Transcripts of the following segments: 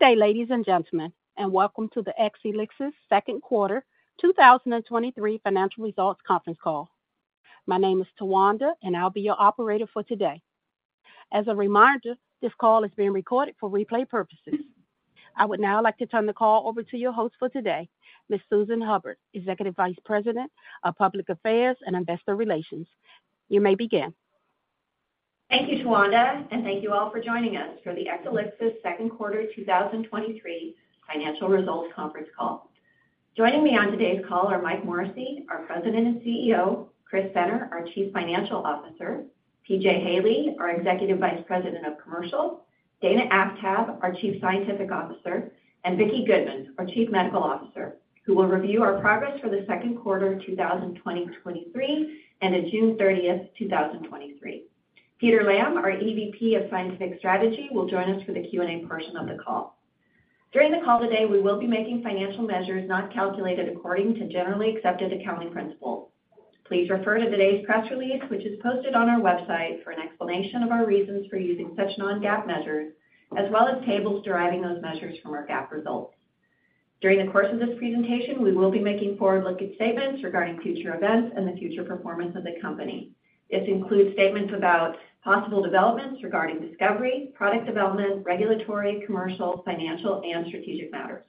Good day, ladies and gentlemen, and welcome to the Exelixis Second Quarter 2023 Financial Results Conference Call. My name is Tawanda, and I'll be your operator for today. As a reminder, this call is being recorded for replay purposes. I would now like to turn the call over to your host for today, Ms. Susan Hubbard, Executive Vice President of Public Affairs and Investor Relations. You may begin. Thank you, Tawanda, and thank you all for joining us for the Exelixis Second Quarter 2023 Financial Results conference call. Joining me on today's call are Michael Morrissey, our President and CEO, Chris Senner, our Chief Financial Officer, PJ Haley, our Executive Vice President of Commercial, Dana Aftab, our Chief Scientific Officer, and Vicki Goodman, our Chief Medical Officer, who will review our progress for the second quarter 2023, and at June 30th, 2023. Peter Lamb, our EVP of Scientific Strategy, will join us for the Q&A portion of the call. During the call today, we will be making financial measures not calculated according to generally accepted accounting principles. Please refer to today's press release, which is posted on our website, for an explanation of our reasons for using such Non-GAAP measures, as well as tables deriving those measures from our GAAP results. During the course of this presentation, we will be making forward-looking statements regarding future events and the future performance of the company. This includes statements about possible developments regarding discovery, product development, regulatory, commercial, financial, and strategic matters.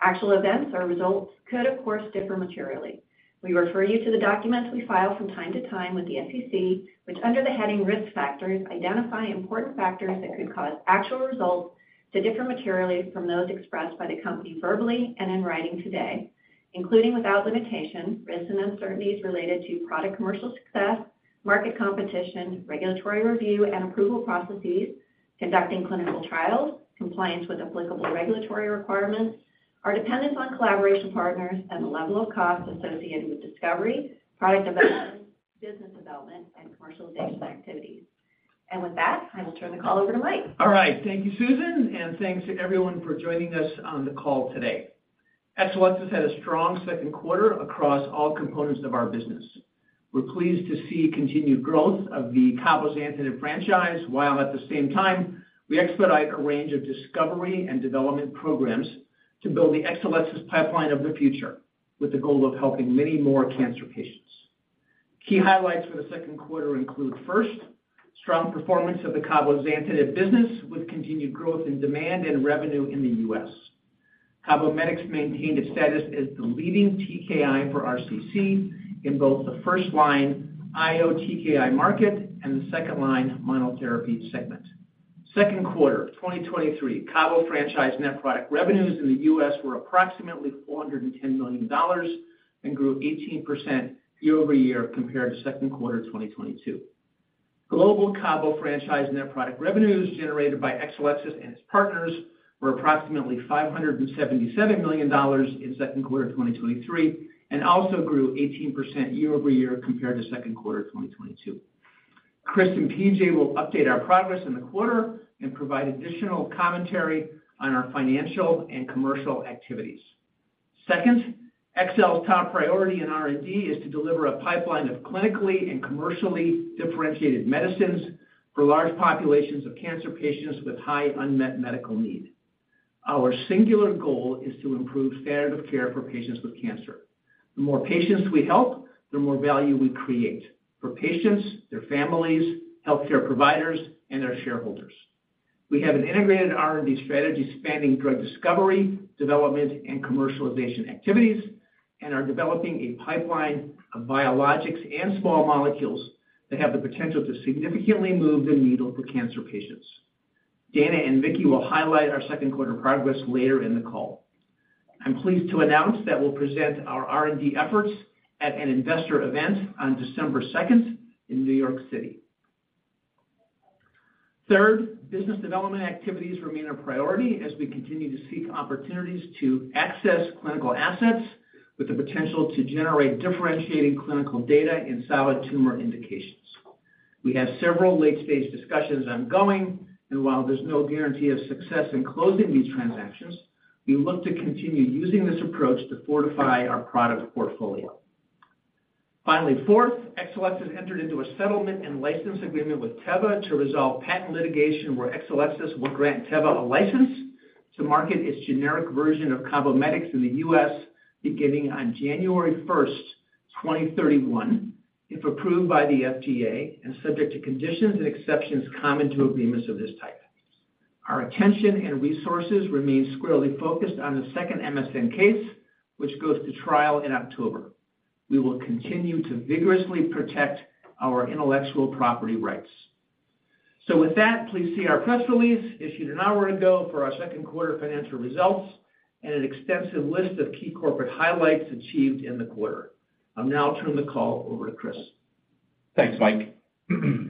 Actual events or results could, of course, differ materially. We refer you to the documents we file from time to time with the SEC, which, under the heading Risk Factors, identify important factors that could cause actual results to differ materially from those expressed by the company verbally and in writing today, including, without limitation, risks and uncertainties related to product commercial success, market competition, regulatory review and approval processes, conducting clinical trials, compliance with applicable regulatory requirements, our dependence on collaboration partners, and the level of costs associated with discovery, product development, business development, and commercialization activities. With that, I will turn the call over to Mike. All right. Thank you, Susan. Thanks to everyone for joining us on the call today. Exelixis had a strong second quarter across all components of our business. We're pleased to see continued growth of the cabozantinib franchise, while at the same time, we expedite a range of discovery and development programs to build the Exelixis pipeline of the future, with the goal of helping many more cancer patients. Key highlights for the second quarter include, first, strong performance of the cabozantinib business, with continued growth in demand and revenue in the U.S. CABOMETYX maintained its status as the leading TKI for RCC in both the first-line IO TKI market and the second-line monotherapy segment. Second quarter 2023, cabo franchise net product revenues in the U.S. were approximately $410 million and grew 18% year-over-year compared to second quarter 2022. Global cabo franchise net product revenues generated by Exelixis and its partners were approximately $577 million in second quarter 2023, and also grew 18% year-over-year compared to second quarter 2022. Chris and P.J. will update our progress in the quarter and provide additional commentary on our financial and commercial activities. Second, Exelixis' top priority in R&D is to deliver a pipeline of clinically and commercially differentiated medicines for large populations of cancer patients with high unmet medical need. Our singular goal is to improve standard of care for patients with cancer. The more patients we help, the more value we create for patients, their families, healthcare providers, and their shareholders. We have an integrated R&D strategy spanning drug discovery, development, and commercialization activities, are developing a pipeline of biologics and small molecules that have the potential to significantly move the needle for cancer patients. Dana and Vicki will highlight our second quarter progress later in the call. I'm pleased to announce that we'll present our R&D efforts at an investor event on December two in New York City. Third, business development activities remain a priority as we continue to seek opportunities to access clinical assets with the potential to generate differentiating clinical data in solid tumor indications. We have several late-stage discussions ongoing, and while there's no guarantee of success in closing these transactions, we look to continue using this approach to fortify our product portfolio. Finally, fourth, Exelixis entered into a settlement and license agreement with Teva to resolve patent litigation, where Exelelixis will grant Teva a license to market its generic version of CABOMETYX in the U.S. beginning on January 1, 2031, if approved by the FDA and subject to conditions and exceptions common to agreements of this type. Our attention and resources remain squarely focused on the second MSN case, which goes to trial in October. We will continue to vigorously protect our intellectual property rights. With that, please see our press release, issued an hour ago, for our second quarter financial results and an extensive list of key corporate highlights achieved in the quarter. I'll now turn the call over to Chris. Thanks, Mike.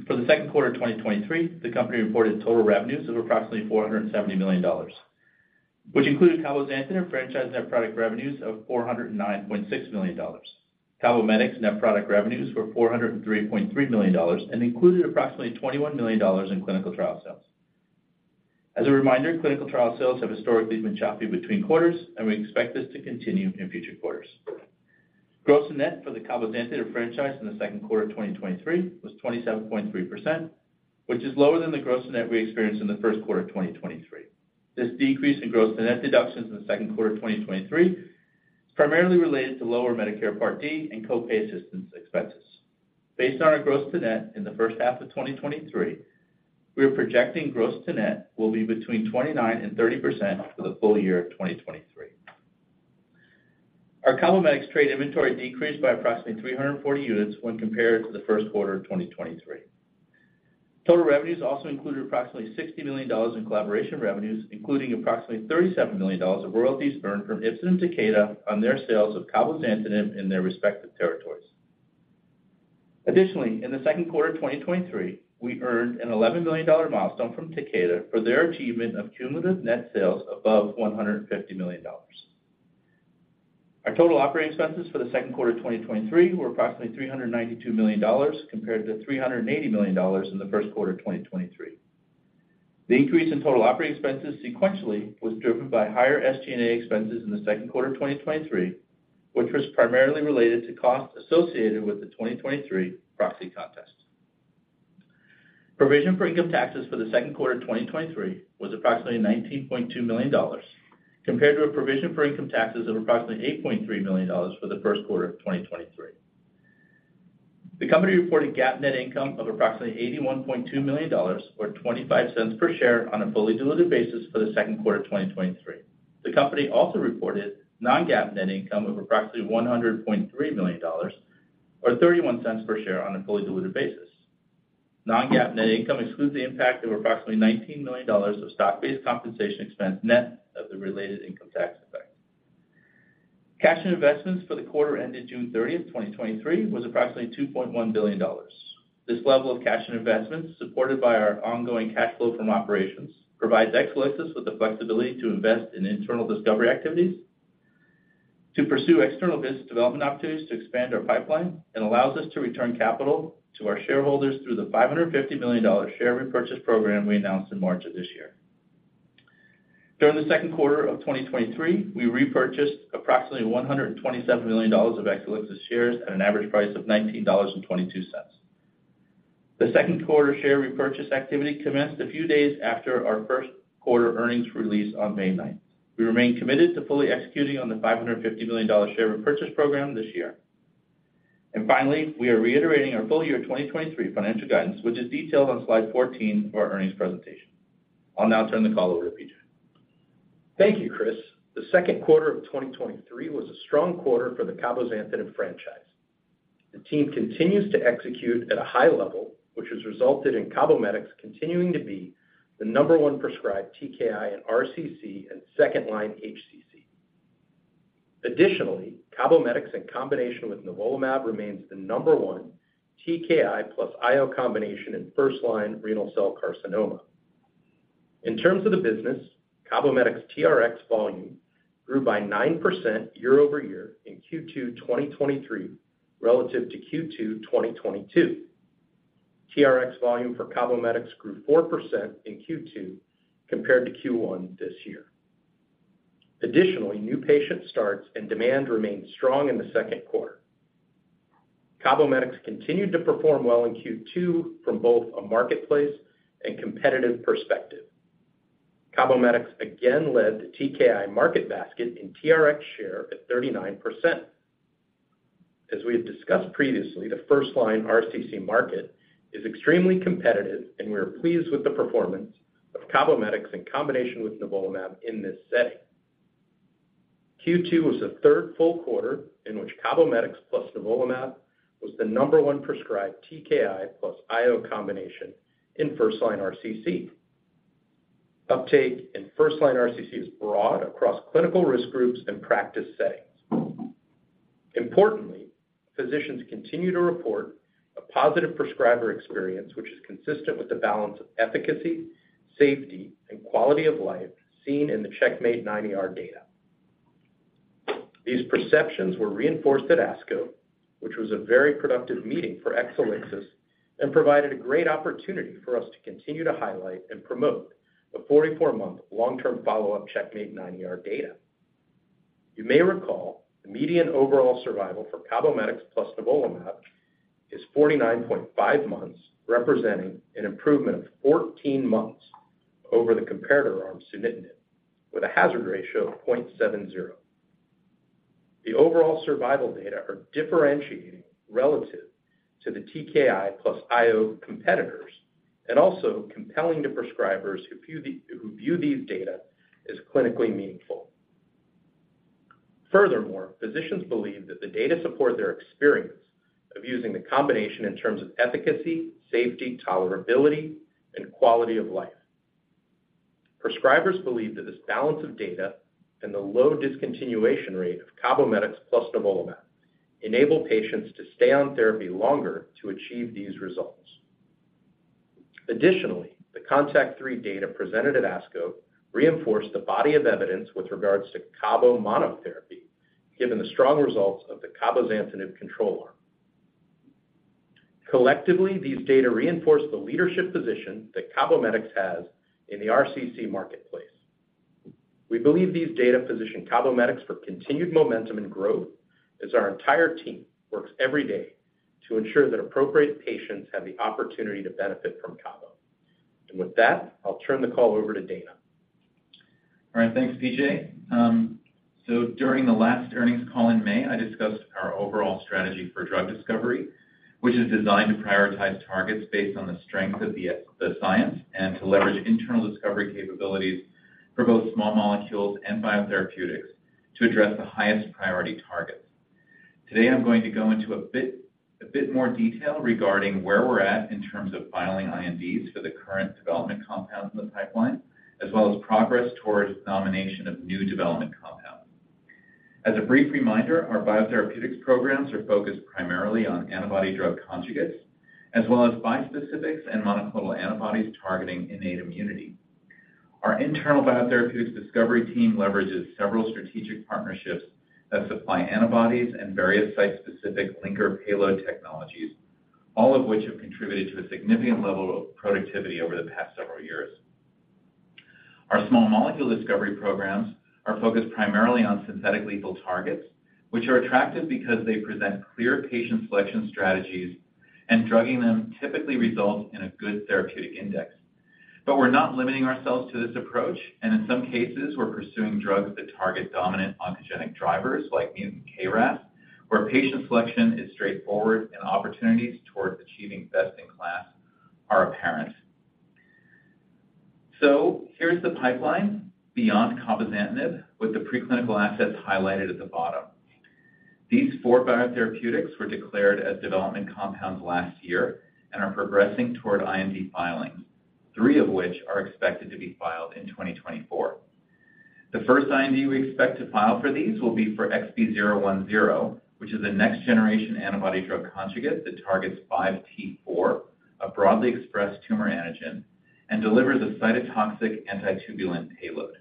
For the second quarter of 2023, the company reported total revenues of approximately $470 million, which included cabozantinib franchise net product revenues of $409.6 million. CABOMETYX net product revenues were $403.3 million and included approximately $21 million in clinical trial sales. As a reminder, clinical trial sales have historically been choppy between quarters, and we expect this to continue in future quarters. Gross-to-net for the cabozantinib franchise in the second quarter of 2023 was 27.3%, which is lower than the gross-to-net we experienced in the Q4 of 2023. This decrease in gross-to-net deductions in the second quarter of 2023 is primarily related to lower Medicare Part D and co-pay assistance expenses. Based on our gross-to-net in the first half of 2023, we are projecting gross-to-net will be between 29% and 30% for the full year of 2023. Our CABOMETYX trade inventory decreased by approximately 340 units when compared to the Q4 of 2023. Total revenues also included approximately $60 million in collaboration revenues, including approximately $37 million of royalties earned from Ipsen and Takeda on their sales of cabozantinib in their respective territories. Additionally, in the second quarter of 2023, we earned an $11 million milestone from Takeda for their achievement of cumulative net sales above $150 million. Our total operating expenses for the second quarter of 2023 were approximately $392 million, compared to $380 million in the Q4 of 2023. The increase in total operating expenses sequentially was driven by higher SG&A expenses in the second quarter of 2023, which was primarily related to costs associated with the 2023 proxy contest. Provision for income taxes for the second quarter of 2023 was approximately $19.2 million, compared to a provision for income taxes of approximately $8.3 million for the Q4 of 2023. The company reported GAAP net income of approximately $81.2 million, or $0.25 per share on a fully diluted basis for the second quarter of 2023. The company also reported Non-GAAP net income of approximately $100.3 million, or $0.31 per share on a fully diluted basis. Non-GAAP net income excludes the impact of approximately $19 million of stock-based compensation expense net of the related income tax effect. Cash and investments for the quarter ended June 30, 2023, was approximately $2.1 billion. This level of cash and investments, supported by our ongoing cash flow from operations, provides Exelixis with the flexibility to invest in internal discovery activities, to pursue external business development opportunities to expand our pipeline, and allows us to return capital to our shareholders through the $550 million share repurchase program we announced in March of this year. During the second quarter of 2023, we repurchased approximately $127 million of Exelixis shares at an average price of $19.22. The second quarter share repurchase activity commenced a few days after our Q4 earnings release on May 9. We remain committed to fully executing on the $550 million share repurchase program this year. Finally, we are reiterating our full year 2023 financial guidance, which is detailed on slide 14 of our earnings presentation. I'll now turn the call over to PJ. Thank you, Chris. The second quarter of 2023 was a strong quarter for the cabozantinib franchise. The team continues to execute at a high level, which has resulted in CABOMETYX continuing to be the number one prescribed TKI in RCC and second line HCC. CABOMETYX in combination with nivolumab remains the number one TKI plus IO combination in first-line renal cell carcinoma. In terms of the business, CABOMETYX TRX volume grew by 9% year-over-year in Q2 2023 relative to Q2 2022. TRX volume for CABOMETYX grew 4% in Q2 compared to Q1 this year. New patient starts and demand remained strong in the second quarter. CABOMETYX continued to perform well in Q2 from both a marketplace and competitive perspective. CABOMETYX again led the TKI market basket in TRX share at 39%. As we have discussed previously, the first-line RCC market is extremely competitive, and we are pleased with the performance of CABOMETYX in combination with nivolumab in this setting. Q2 was the third full quarter in which CABOMETYX plus nivolumab was the number one prescribed TKI plus IO combination in first-line RCC. Uptake in first-line RCC is broad across clinical risk groups and practice settings. Importantly, physicians continue to report a positive prescriber experience, which is consistent with the balance of efficacy, safety, and quality of life seen in the CheckMate 9ER data. These perceptions were reinforced at ASCO, which was a very productive meeting for Exelixis, and provided a great opportunity for us to continue to highlight and promote the 44-months long-term follow-up CheckMate 9ER data. You may recall the median overall survival for CABOMETYX plus nivolumab is 49.5 months, representing an improvement of 14 months over the comparator arm sunitinib, with a hazard ratio of 0.70. The overall survival data are differentiating relative to the TKI plus IO competitors and also compelling to prescribers who view the who view these data as clinically meaningful. Physicians believe that the data support their experience of using the combination in terms of efficacy, safety, tolerability, and quality of life. Prescribers believe that this balance of data and the low discontinuation rate of CABOMETYX plus nivolumab enable patients to stay on therapy longer to achieve these results. The CONTACT-03 data presented at ASCO reinforced the body of evidence with regards to cabo monotherapy, given the strong results of the cabozantinib control arm.... Collectively, these data reinforce the leadership position that CABOMETYX has in the RCC marketplace. We believe these data position CABOMETYX for continued momentum and growth, as our entire team works every day to ensure that appropriate patients have the opportunity to benefit from cabo. With that, I'll turn the call over to Dana. All right, thanks, PJ. During the last earnings call in May, I discussed our overall strategy for drug discovery, which is designed to prioritize targets based on the strength of the science and to leverage internal discovery capabilities for both small molecules and biotherapeutics to address the highest priority targets. Today, I'm going to go into a bit more detail regarding where we're at in terms of filing INDs for the current development compounds in the pipeline, as well as progress towards nomination of new development compounds. As a brief reminder, our biotherapeutics programs are focused primarily on antibody-drug conjugates, as well as bispecifics and monoclonal antibodies targeting innate immunity. Our internal biotherapeutics discovery team leverages several strategic partnerships that supply antibodies and various site-specific linker payload technologies, all of which have contributed to a significant level of productivity over the past several years. Our small molecule discovery programs are focused primarily on synthetic lethal targets, which are attractive because they present clear patient selection strategies, and drugging them typically results in a good therapeutic index. We're not limiting ourselves to this approach, and in some cases, we're pursuing drugs that target dominant oncogenic drivers, like mutant KRAS, where patient selection is straightforward and opportunities towards achieving best-in-class are apparent. Here's the pipeline beyond cabozantinib, with the preclinical assets highlighted at the bottom. These four biotherapeutics were declared as development compounds last year and are progressing toward IND filings, three of which are expected to be filed in 2024. The first IND we expect to file for these will be for XB010, which is a next-generation antibody-drug conjugate that targets 5T4, a broadly expressed tumor antigen, and delivers a cytotoxic antitubulin payload.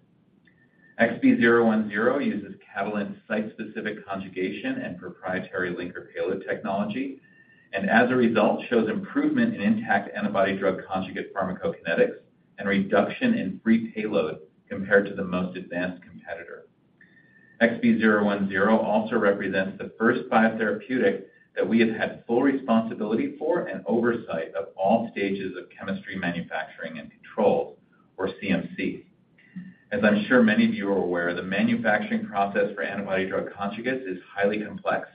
XB010 uses Catalent site-specific conjugation and proprietary linker payload technology, and as a result, shows improvement in intact antibody-drug conjugate pharmacokinetics and reduction in free payload compared to the most advanced competitor. XB010 also represents the first biotherapeutic that we have had full responsibility for and oversight of all stages of chemistry, manufacturing, and control, or CMC. As I'm sure many of you are aware, the manufacturing process for antibody-drug conjugates is highly complex,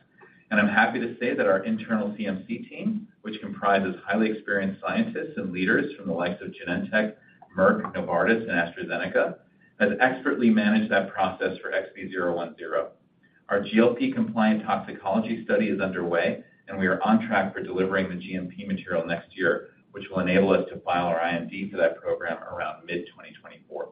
and I'm happy to say that our internal CMC team, which comprises highly experienced scientists and leaders from the likes of Genentech, Merck, Novartis, and AstraZeneca, has expertly managed that process for XB010. Our GLP-compliant toxicology study is underway, and we are on track for delivering the GMP material next year, which will enable us to file our IND for that program around mid-2024.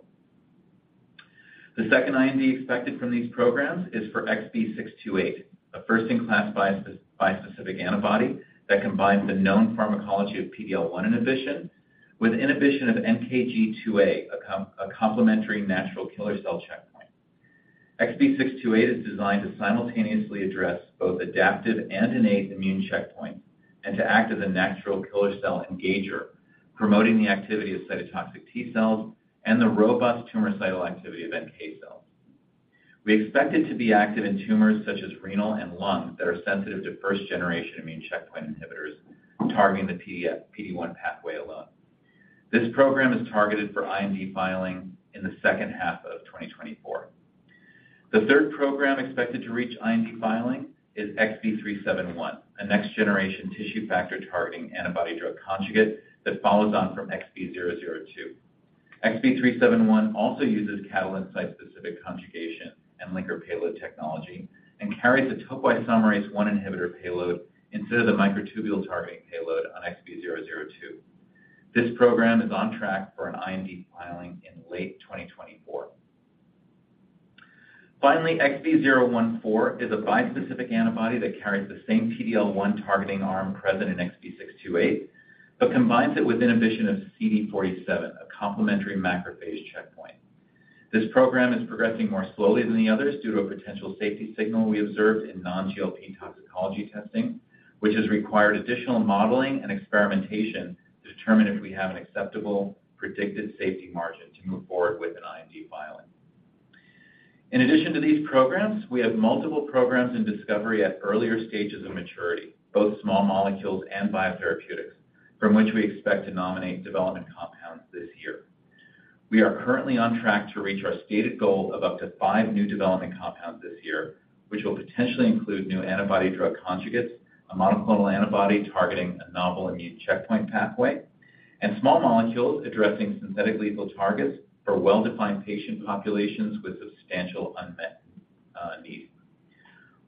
The second IND expected from these programs is for XB628, a first-in-class bispecific antibody that combines the known pharmacology of PD-L1 inhibition with inhibition of NKG2A, a complementary natural killer cell checkpoint. XB628 is designed to simultaneously address both adaptive and innate immune checkpoints and to act as a natural killer cell engager, promoting the activity of cytotoxic T cells and the robust tumor cell activity of NK cells. We expect it to be active in tumors such as renal and lung, that are sensitive to first-generation immune checkpoint inhibitors, targeting the PD-1 pathway alone. This program is targeted for IND filing in the H2 of 2024. The third program expected to reach IND filing is XB371, a next-generation tissue factor targeting antibody-drug conjugate that follows on from XB002. XB371 also uses Catalent site-specific conjugation and linker payload technology and carries a topoisomerase I inhibitor payload instead of the microtubule targeting payload on XB002. This program is on track for an IND filing in late 2024. Finally, XB014 is a bispecific antibody that carries the same PD-L1 targeting arm present in XB628, but combines it with inhibition of CD47, a complementary macrophage checkpoint. This program is progressing more slowly than the others due to a potential safety signal we observed in non-GLP toxicology testing, which has required additional modeling and experimentation to determine if we have an acceptable predicted safety margin to move forward with an IND filing. In addition to these programs, we have multiple programs in discovery at earlier stages of maturity, both small molecules and biotherapeutics, from which we expect to nominate development compounds this year. We are currently on track to reach our stated goal of up to five new development compounds this year, which will potentially include new antibody-drug conjugates, a monoclonal antibody targeting a novel immune checkpoint pathway, and small molecules addressing synthetic lethal targets for well-defined patient populations with substantial unmet needs.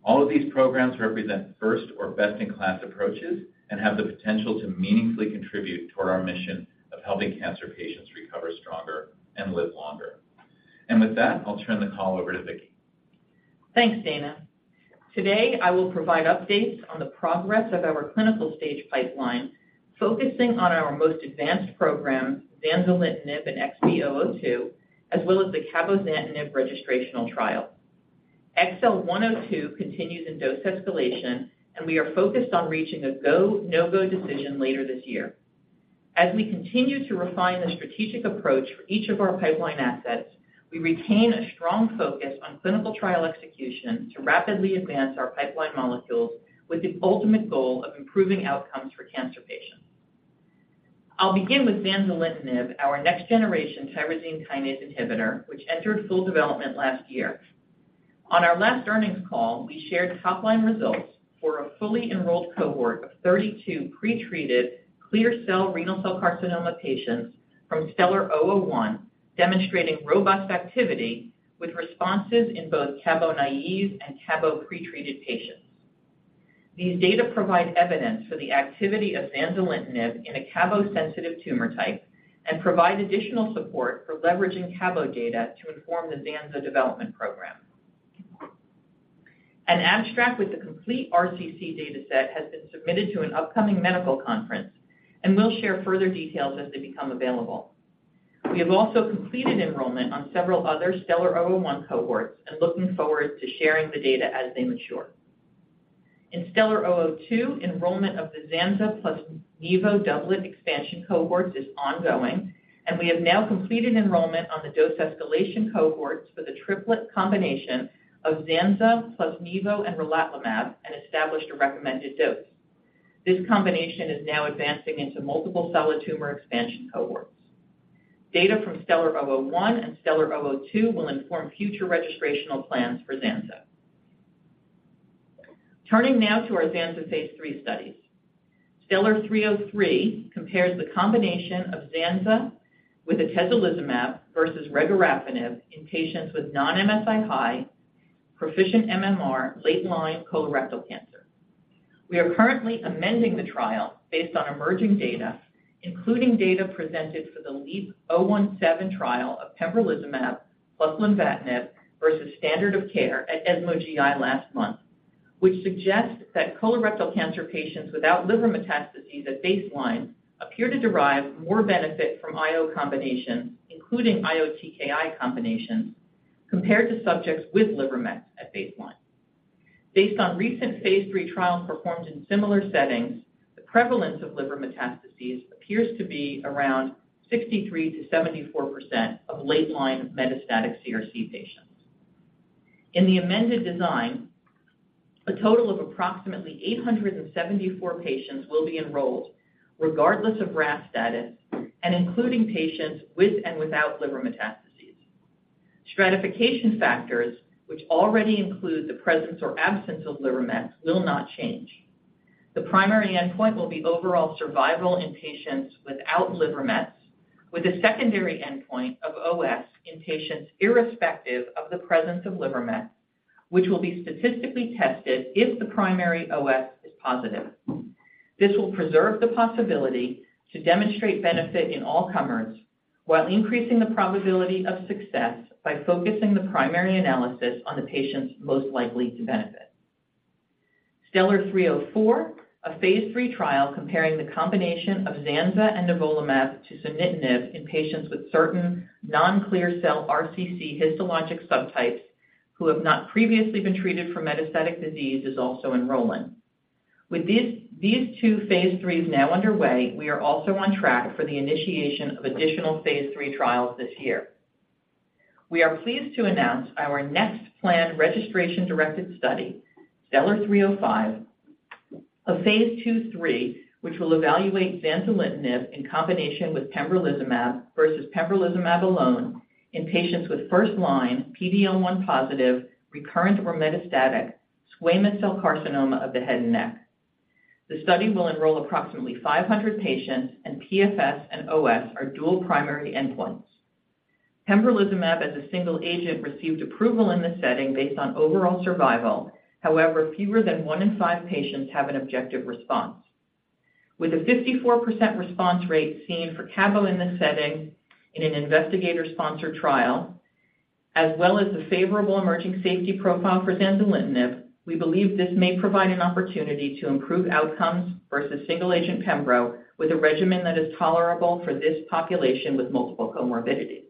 All of these programs represent first or best-in-class approaches and have the potential to meaningfully contribute toward our mission of helping cancer patients recover stronger and live longer. With that, I'll turn the call over to Vicki. Thanks, Dana. Today, I will provide updates on the progress of our clinical stage pipeline, focusing on our most advanced program, zanzalintinib and XB002, as well as the cabozantinib registrational trial. XL102 continues in dose escalation. We are focused on reaching a go, no-go decision later this year. As we continue to refine the strategic approach for each of our pipeline assets, we retain a strong focus on clinical trial execution to rapidly advance our pipeline molecules, with the ultimate goal of improving outcomes for cancer patients. I'll begin with zanzalintinib, our next-generation tyrosine kinase inhibitor, which entered full development last year. On our last earnings call, we shared top-line results for a fully enrolled cohort of 32 pre-treated clear cell renal cell carcinoma patients from STELLAR-002, demonstrating robust activity with responses in both cabo-naive and cabo-pretreated patients. These data provide evidence for the activity of zanzalintinib in a cabo-sensitive tumor type and provide additional support for leveraging cabo data to inform the zanza development program. An abstract with the complete RCC data set has been submitted to an upcoming medical conference. We'll share further details as they become available. We have also completed enrollment on several other STELLAR-002 cohorts and looking forward to sharing the data as they mature. In STELLAR-002, enrollment of the zanza plus mivo doublet expansion cohort is ongoing. We have now completed enrollment on the dose escalation cohorts for the triplet combination of zanza plus nivo and relatlimab and established a recommended dose. This combination is now advancing into multiple solid tumor expansion cohorts. Data from STELLAR-002 and STELLAR-002 will inform future registrational plans for zanza. Turning now to our zanza Phase three studies. STELLAR-303 compares the combination of zanza with atezolizumab versus regorafenib in patients with non-MSI-high, proficient MMR, late-line colorectal cancer. We are currently amending the trial based on emerging data, including data presented for the LEAP-017 trial of pembrolizumab plus lenvatinib versus standard of care at ESMO GI last month, which suggests that colorectal cancer patients without liver metastases at baseline appear to derive more benefit from IO combinations, including IO TKI combinations, compared to subjects with liver mets at baseline. Based on recent phase three trials performed in similar settings, the prevalence of liver metastases appears to be around 63%-74% of late-line metastatic CRC patients. In the amended design, a total of approximately 874 patients will be enrolled, regardless of RAS status and including patients with and without liver metastases. Stratification factors, which already include the presence or absence of liver mets, will not change. The primary endpoint will be overall survival in patients without liver mets, with a secondary endpoint of OS in patients irrespective of the presence of liver mets, which will be statistically tested if the primary OS is positive. This will preserve the possibility to demonstrate benefit in all comers while increasing the probability of success by focusing the primary analysis on the patients most likely to benefit. STELLAR-304, a phase three trial comparing the combination of zanza and nivolumab to sunitinib in patients with certain non-clear cell RCC histologic subtypes who have not previously been treated for metastatic disease, is also enrolling. With these two phase 3 now underway, we are also on track for the initiation of additional phase three trials this year. We are pleased to announce our next planned registration-directed study, STELLAR-305, a phase 2/3, which will evaluate zanzalintinib in combination with pembrolizumab versus pembrolizumab alone in patients with first-line PD-L1 positive, recurrent or metastatic squamous cell carcinoma of the head and neck. The study will enroll approximately 500 patients, and PFS and OS are dual primary endpoints. Pembrolizumab as a single agent received approval in this setting based on overall survival. However, fewer than one patient in five patients have an objective response. With a 54% response rate seen for cabo in this setting in an investigator-sponsored trial, as well as the favorable emerging safety profile for zanzalintinib, we believe this may provide an opportunity to improve outcomes versus single-agent pembro, with a regimen that is tolerable for this population with multiple comorbidities.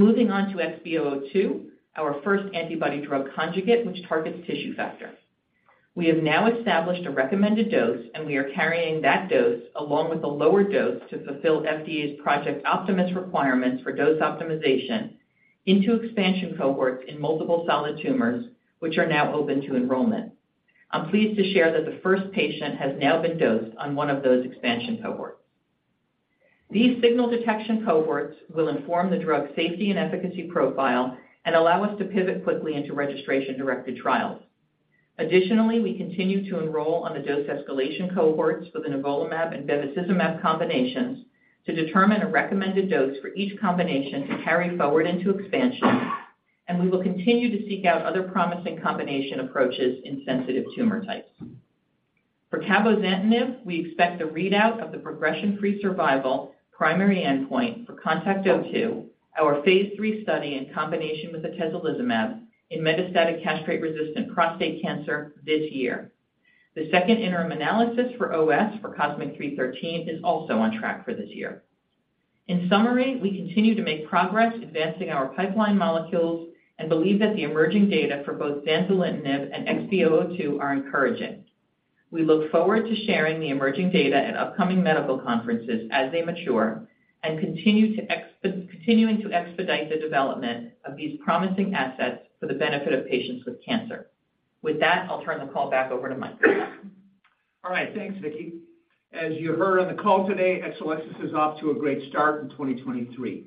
Moving on to XB002, our first antibody-drug conjugate, which targets tissue factor. We have now established a recommended dose, and we are carrying that dose, along with a lower dose, to fulfill FDA's Project Optimus requirements for dose optimization into expansion cohorts in multiple solid tumors, which are now open to enrollment. I'm pleased to share that the first patient has now been dosed on one of those expansion cohorts. These signal detection cohorts will inform the drug's safety and efficacy profile and allow us to pivot quickly into registration-directed trials. Additionally, we continue to enroll on the dose escalation cohorts for the nivolumab and bevacizumab combinations to determine a recommended dose for each combination to carry forward into expansion, and we will continue to seek out other promising combination approaches in sensitive tumor types. For cabozantinib, we expect a readout of the progression-free survival, primary endpoint for CONTACT-02, our Phase three study in combination with atezolizumab in metastatic castrate-resistant prostate cancer this year. The second interim analysis for OS for COSMIC-313 is also on track for this year. In summary, we continue to make progress advancing our pipeline molecules and believe that the emerging data for both zanzalintinib and XB002 are encouraging. We look forward to sharing the emerging data at upcoming medical conferences as they mature and continuing to expedite the development of these promising assets for the benefit of patients with cancer. With that, I'll turn the call back over to Mike. All right. Thanks, Vicki. As you heard on the call today, Exelixis is off to a great start in 2023.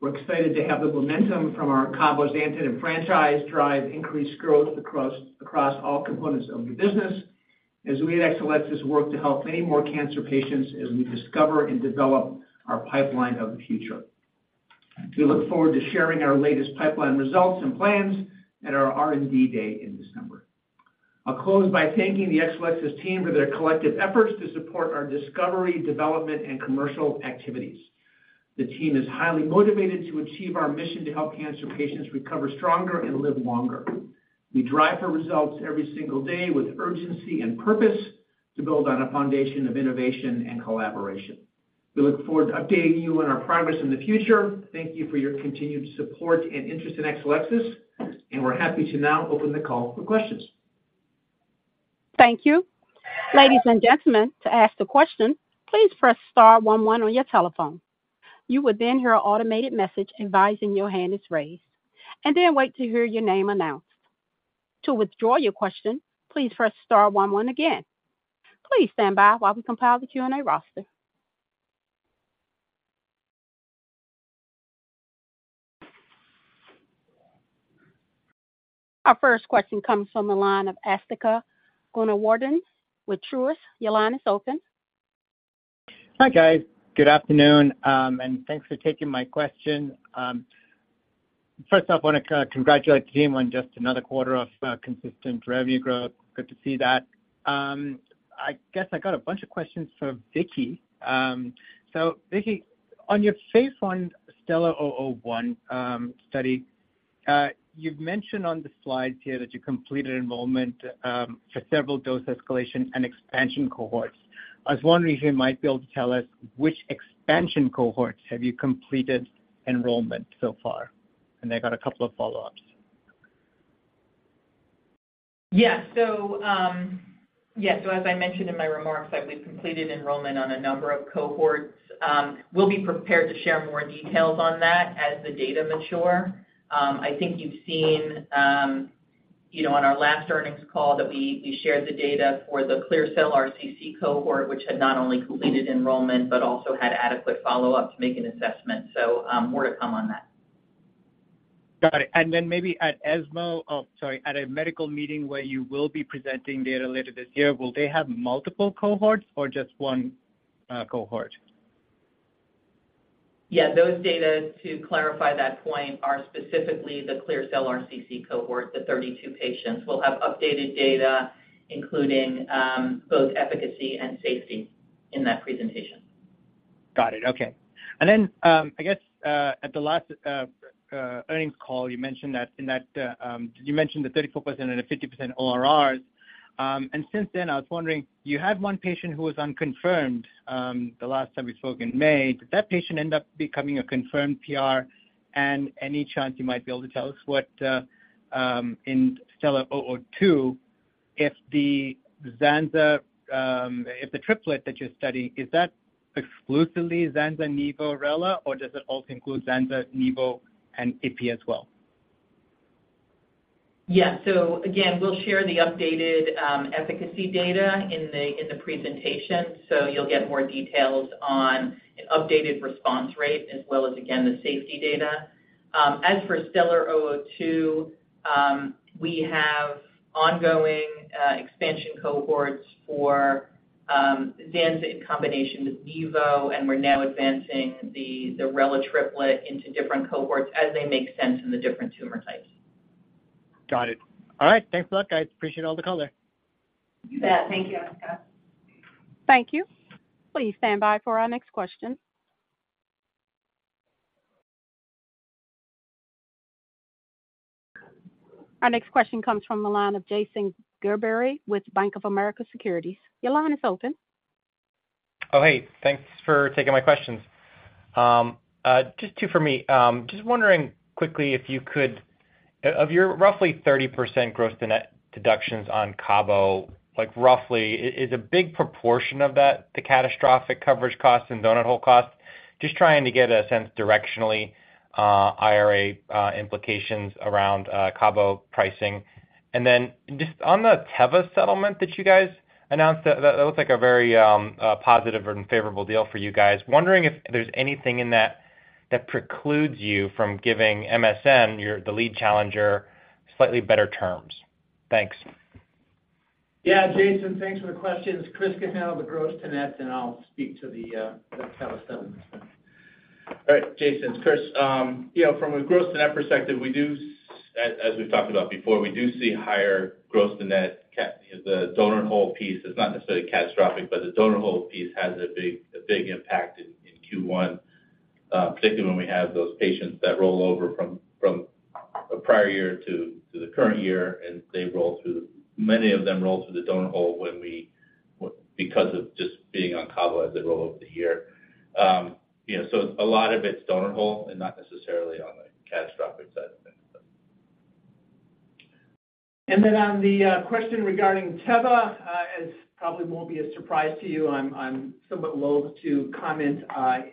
We're excited to have the momentum from our CABOMETYX and franchise drive increased growth across all components of the business as we at Exelixis work to help many more cancer patients as we discover and develop our pipeline of the future. We look forward to sharing our latest pipeline results and plans at our R&D Day in December. I'll close by thanking the Exelixis team for their collective efforts to support our discovery, development, and commercial activities. The team is highly motivated to achieve our mission to help cancer patients recover stronger and live longer. We drive for results every single day with urgency and purpose to build on a foundation of innovation and collaboration. We look forward to updating you on our progress in the future. Thank you for your continued support and interest in Exelixis, and we're happy to now open the call for questions. Thank you. Ladies and gentlemen, to ask a question, please press star 11 on your telephone. You would then hear an automated message advising your hand is raised, and then wait to hear your name announced. To withdraw your question, please press star 11 again. Please stand by while we compile the Q&A roster. Our first question comes from the line of Asthika Goonewardene with Truist. Your line is open. Hi, guys. Good afternoon, and thanks for taking my question. First off, I want to congratulate the team on just another quarter of consistent revenue growth. Good to see that. I guess I got a bunch of questions for Vicki. Vicki, on your phase one STELLAR-002 study, you've mentioned on the slides here that you completed enrollment for several dose escalation and expansion cohorts. I was wondering if you might be able to tell us which expansion cohorts have you completed enrollment so far? I got a couple of follow-ups. Yeah. yeah, so as I mentioned in my remarks, that we've completed enrollment on a number of cohorts. We'll be prepared to share more details on that as the data mature. I think you've seen, you know, on our last earnings call that we, we shared the data for the clear cell RCC cohort, which had not only completed enrollment, but also had adequate follow-up to make an assessment. More to come on that. Got it. Then maybe at ESMO, or sorry, at a medical meeting where you will be presenting data later this year, will they have multiple cohorts or just 1 cohort? Yeah, those data, to clarify that point, are specifically the clear cell RCC cohort, the 32 patients. We'll have updated data, including, both efficacy and safety in that presentation. Got it. Okay. I guess, at the last earnings call, you mentioned that in that, you mentioned the 34% and the 50% ORRs. Since then, I was wondering, you had one patient who was unconfirmed, the last time we spoke in May. Did that patient end up becoming a confirmed PR? Any chance you might be able to tell us what in STELLAR-002, if the zanzalintinib, if the triplet that you're studying, is that exclusively zanzalintinib, Nivo, Rela, or does it also include zanzalintinib, Nivo, and IP as well? Yes. Again, we'll share the updated efficacy data in the presentation, so you'll get more details on an updated response rate as well as, again, the safety data. STELLAR-002, we have ongoing expansion cohorts for zanzalintinib in combination with Nivo, and we're now advancing the Rela triplet into different cohorts as they make sense in the different tumor types. Got it. All right. Thanks a lot, guys. Appreciate all the color. You bet. Thank you, Asthika. Thank you. Please stand by for our next question. Our next question comes from the line of Jason Gerberry with Bank of America Securities. Your line is open. Hey, thanks for taking my questions. Just two for me. Just wondering quickly if you could, of your roughly 30% gross to net deductions on CABO, a big proportion of that, the catastrophic coverage cost and donut hole cost? Just trying to get a sense directionally, IRA implications around CABO pricing. Just on the Teva settlement that you guys announced, that looks like a very positive and favorable deal for you guys. Wondering if there's anything in that, that precludes you from giving MSN, the lead challenger, slightly better terms. Thanks. Yeah, Jason, thanks for the questions. Chris can handle the gross to net, and I'll speak to the Teva settlement. All right, Jason. Chris, you know, from a gross to net perspective, we do as, as we've talked about before, we do see higher gross to net. The donut hole piece is not necessarily catastrophic, but the donut hole piece has a big, a big impact in Q1. Particularly when we have those patients that roll over from a prior year to the current year, and they roll through many of them roll through the doughnut hole when we because of just being on cabo as they roll over the year. You know, so a lot of it's doughnut hole and not necessarily on the catastrophic side of things. On the question regarding Teva, as probably won't be a surprise to you, I'm, I'm somewhat loathe to comment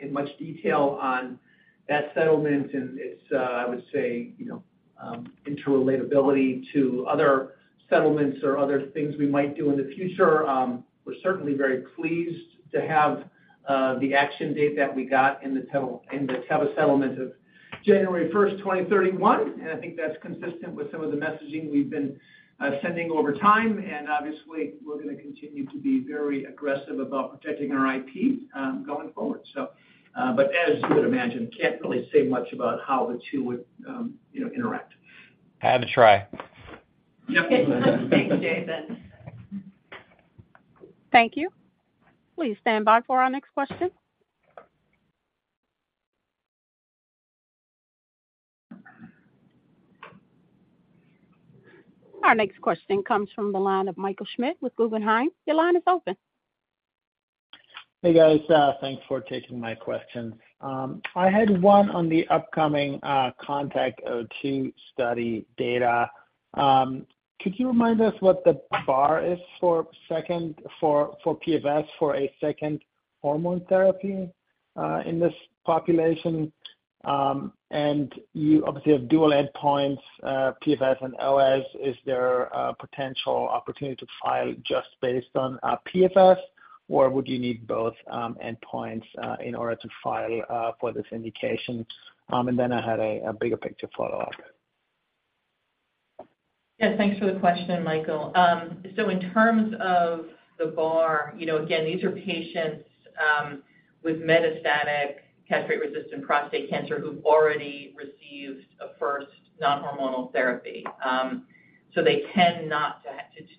in much detail on that settlement and its, I would say, you know, interrelatability to other settlements or other things we might do in the future. We're certainly very pleased to have the action date that we got in the Teva, in the Teva settlement of January 1st, 2031. I think that's consistent with some of the messaging we've been sending over time, and obviously, we're gonna continue to be very aggressive about protecting our IP going forward. As you would imagine, can't really say much about how the two would, you know, interact. I had to try. Yep. Thanks, David. Thank you. Please stand by for our next question. Our next question comes from the line of Michael Schmidt with Guggenheim. Your line is open. Hey, guys, thanks for taking my question. I had one on the upcoming CONTACT-02 study data. Could you remind us what the bar is for second-- for, for PFS, for a second hormone therapy in this population? You obviously have dual endpoints, PFS and OS. Is there a potential opportunity to file just based on PFS, or would you need both endpoints in order to file for this indication? Then I had a bigger picture follow-up. Yeah, thanks for the question, Michael. So in terms of the bar, you know, again, these are patients with metastatic castrate-resistant prostate cancer who've already received a first novel hormonal therapy They tend not to,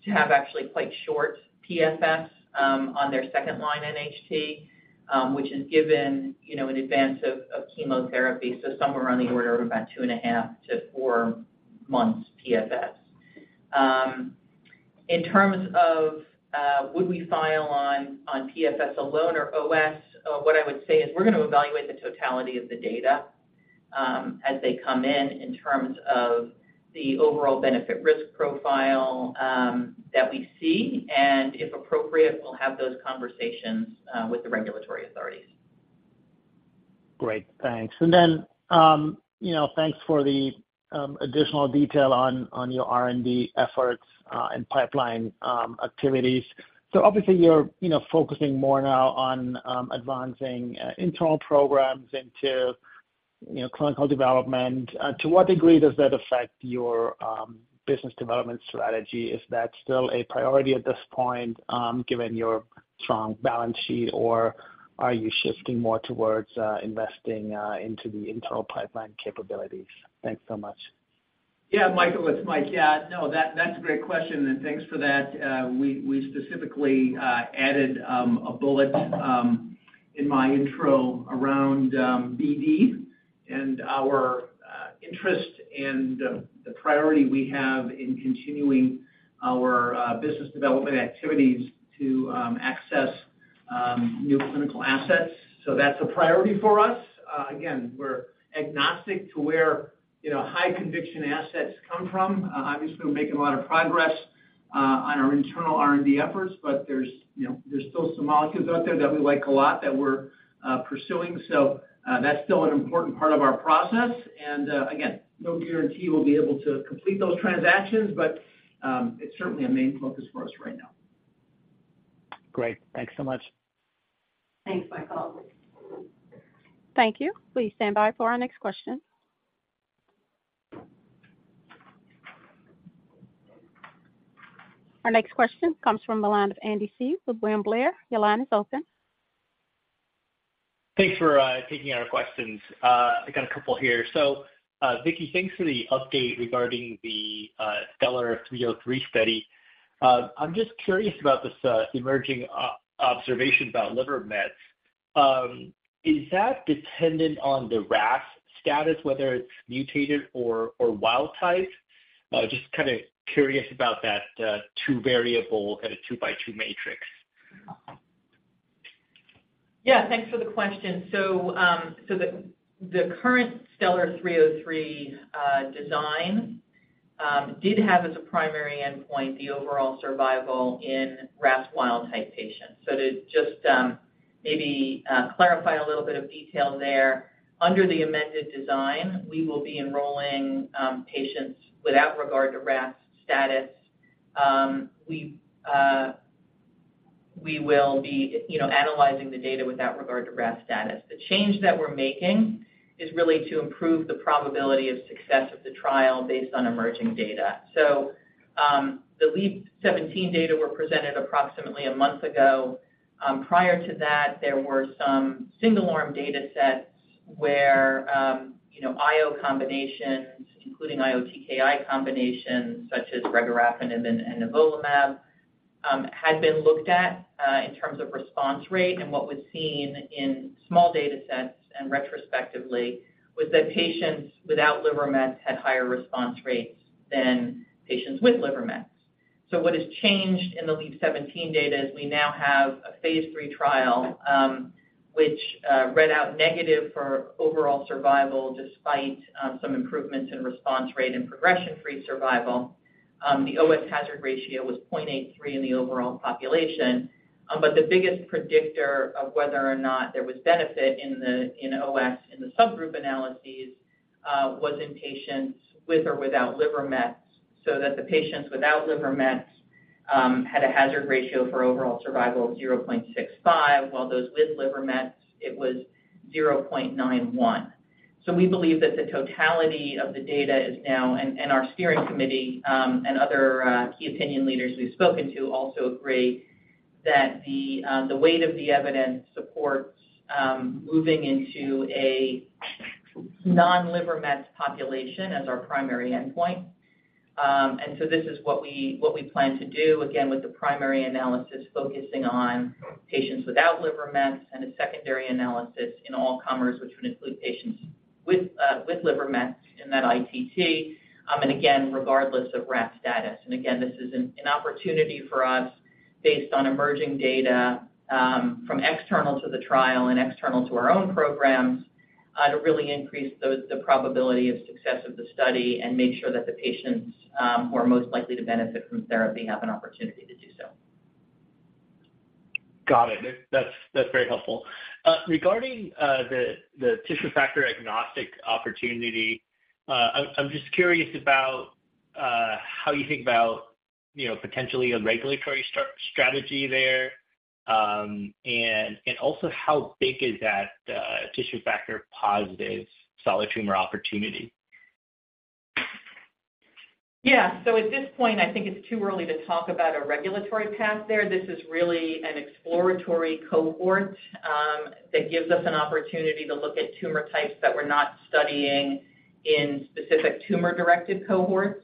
to have actually quite short PFS on their second-line NHT, which is given, you know, in advance of, of chemotherapy, so somewhere on the order of about 2.5months-four months PFS. In terms of, would we file on, on PFS alone or OS, what I would say is we're gonna evaluate the totality of the data as they come in in terms of the overall benefit risk profile that we see, and if appropriate, we'll have those conversations with the regulatory authorities. Great. Thanks. You know, thanks for the additional detail on your R&D efforts and pipeline activities. Obviously, you're, you know, focusing more now on advancing internal programs into, you know, clinical development. To what degree does that affect your business development strategy? Is that still a priority at this point, given your strong balance sheet, or are you shifting more towards investing into the internal pipeline capabilities? Thanks so much. Michael, it's Mike. That's a great question, and thanks for that. We, we specifically added a bullet in my intro around BD and our interest and the priority we have in continuing our business development activities to access new clinical assets. That's a priority for us. Again, we're agnostic to where, you know, high conviction assets come from. Obviously, we're making a lot of progress on our internal R&D efforts, but there's, you know, there's still some molecules out there that we like a lot that we're pursuing. That's still an important part of our process, and again, no guarantee we'll be able to complete those transactions, but it's certainly a main focus for us right now. Great. Thanks so much. Thanks, Michael. Thank you. Please stand by for our next question. Our next question comes from the line of Andy Hsieh with William Blair Thanks for taking our questions. I got a couple here. Vicki, thanks for the update regarding the STELLAR-303 study. I'm just curious about this emerging o-observation about liver mets. Is that dependent on the RAS status, whether it's mutated or wild type? Just kinda curious about that two variable and a two-by-two matrix. Yeah, thanks for the question. The current STELLAR-303 design did have as a primary endpoint, the overall survival in RAS wild type patients. To just maybe clarify a little bit of detail there, under the amended design, we will be enrolling patients without regard to RAS status. We will be, you know, analyzing the data without regard to RAS status. The change that we're making is really to improve the probability of success of the trial based on emerging data. The LEAP-017 data were presented approximately a month ago. Prior to that, there were some single-arm data sets where, you know, IO combinations, including IO TKI combinations, such as regorafenib and nivolumab, had been looked at in terms of response rate. What was seen in small data sets and retrospectively was that patients without liver mets had higher response rates than patients with liver mets. What has changed in the LEAP-017 data is we now have a phase three trial, which read out negative for overall survival, despite some improvements in response rate and progression-free survival. The OS hazard ratio was 0.83 in the overall population. The biggest predictor of whether or not there was benefit in the, in OS in the subgroup analyses, was in patients with or without liver mets, so that the patients without liver mets, had a hazard ratio for overall survival of 0.65, while those with liver mets, it was 0.91. We believe that the totality of the data is now, and our steering committee, and other key opinion leaders we've spoken to, also agree that the weight of the evidence supports moving into a non-liver mets population as our primary endpoint. So this is what we, what we plan to do, again, with the primary analysis, focusing on patients without liver mets and a secondary analysis in all comers, which would include patients with liver mets in that ITT, and again, regardless of RAC status. Again, this is an opportunity for us, based on emerging data, from external to the trial and external to our own programs, to really increase the probability of success of the study and make sure that the patients, who are most likely to benefit from therapy have an opportunity to do so. Got it. That's, that's very helpful. Regarding the tissue factor-agnostic opportunity, I'm just curious about how you think about, you know, potentially a regulatory strategy there. And also, how big is that tissue factor-positive solid tumor opportunity? Yeah. At this point, I think it's too early to talk about a regulatory path there. This is really an exploratory cohort that gives us an opportunity to look at tumor types that we're not studying in specific tumor-directed cohorts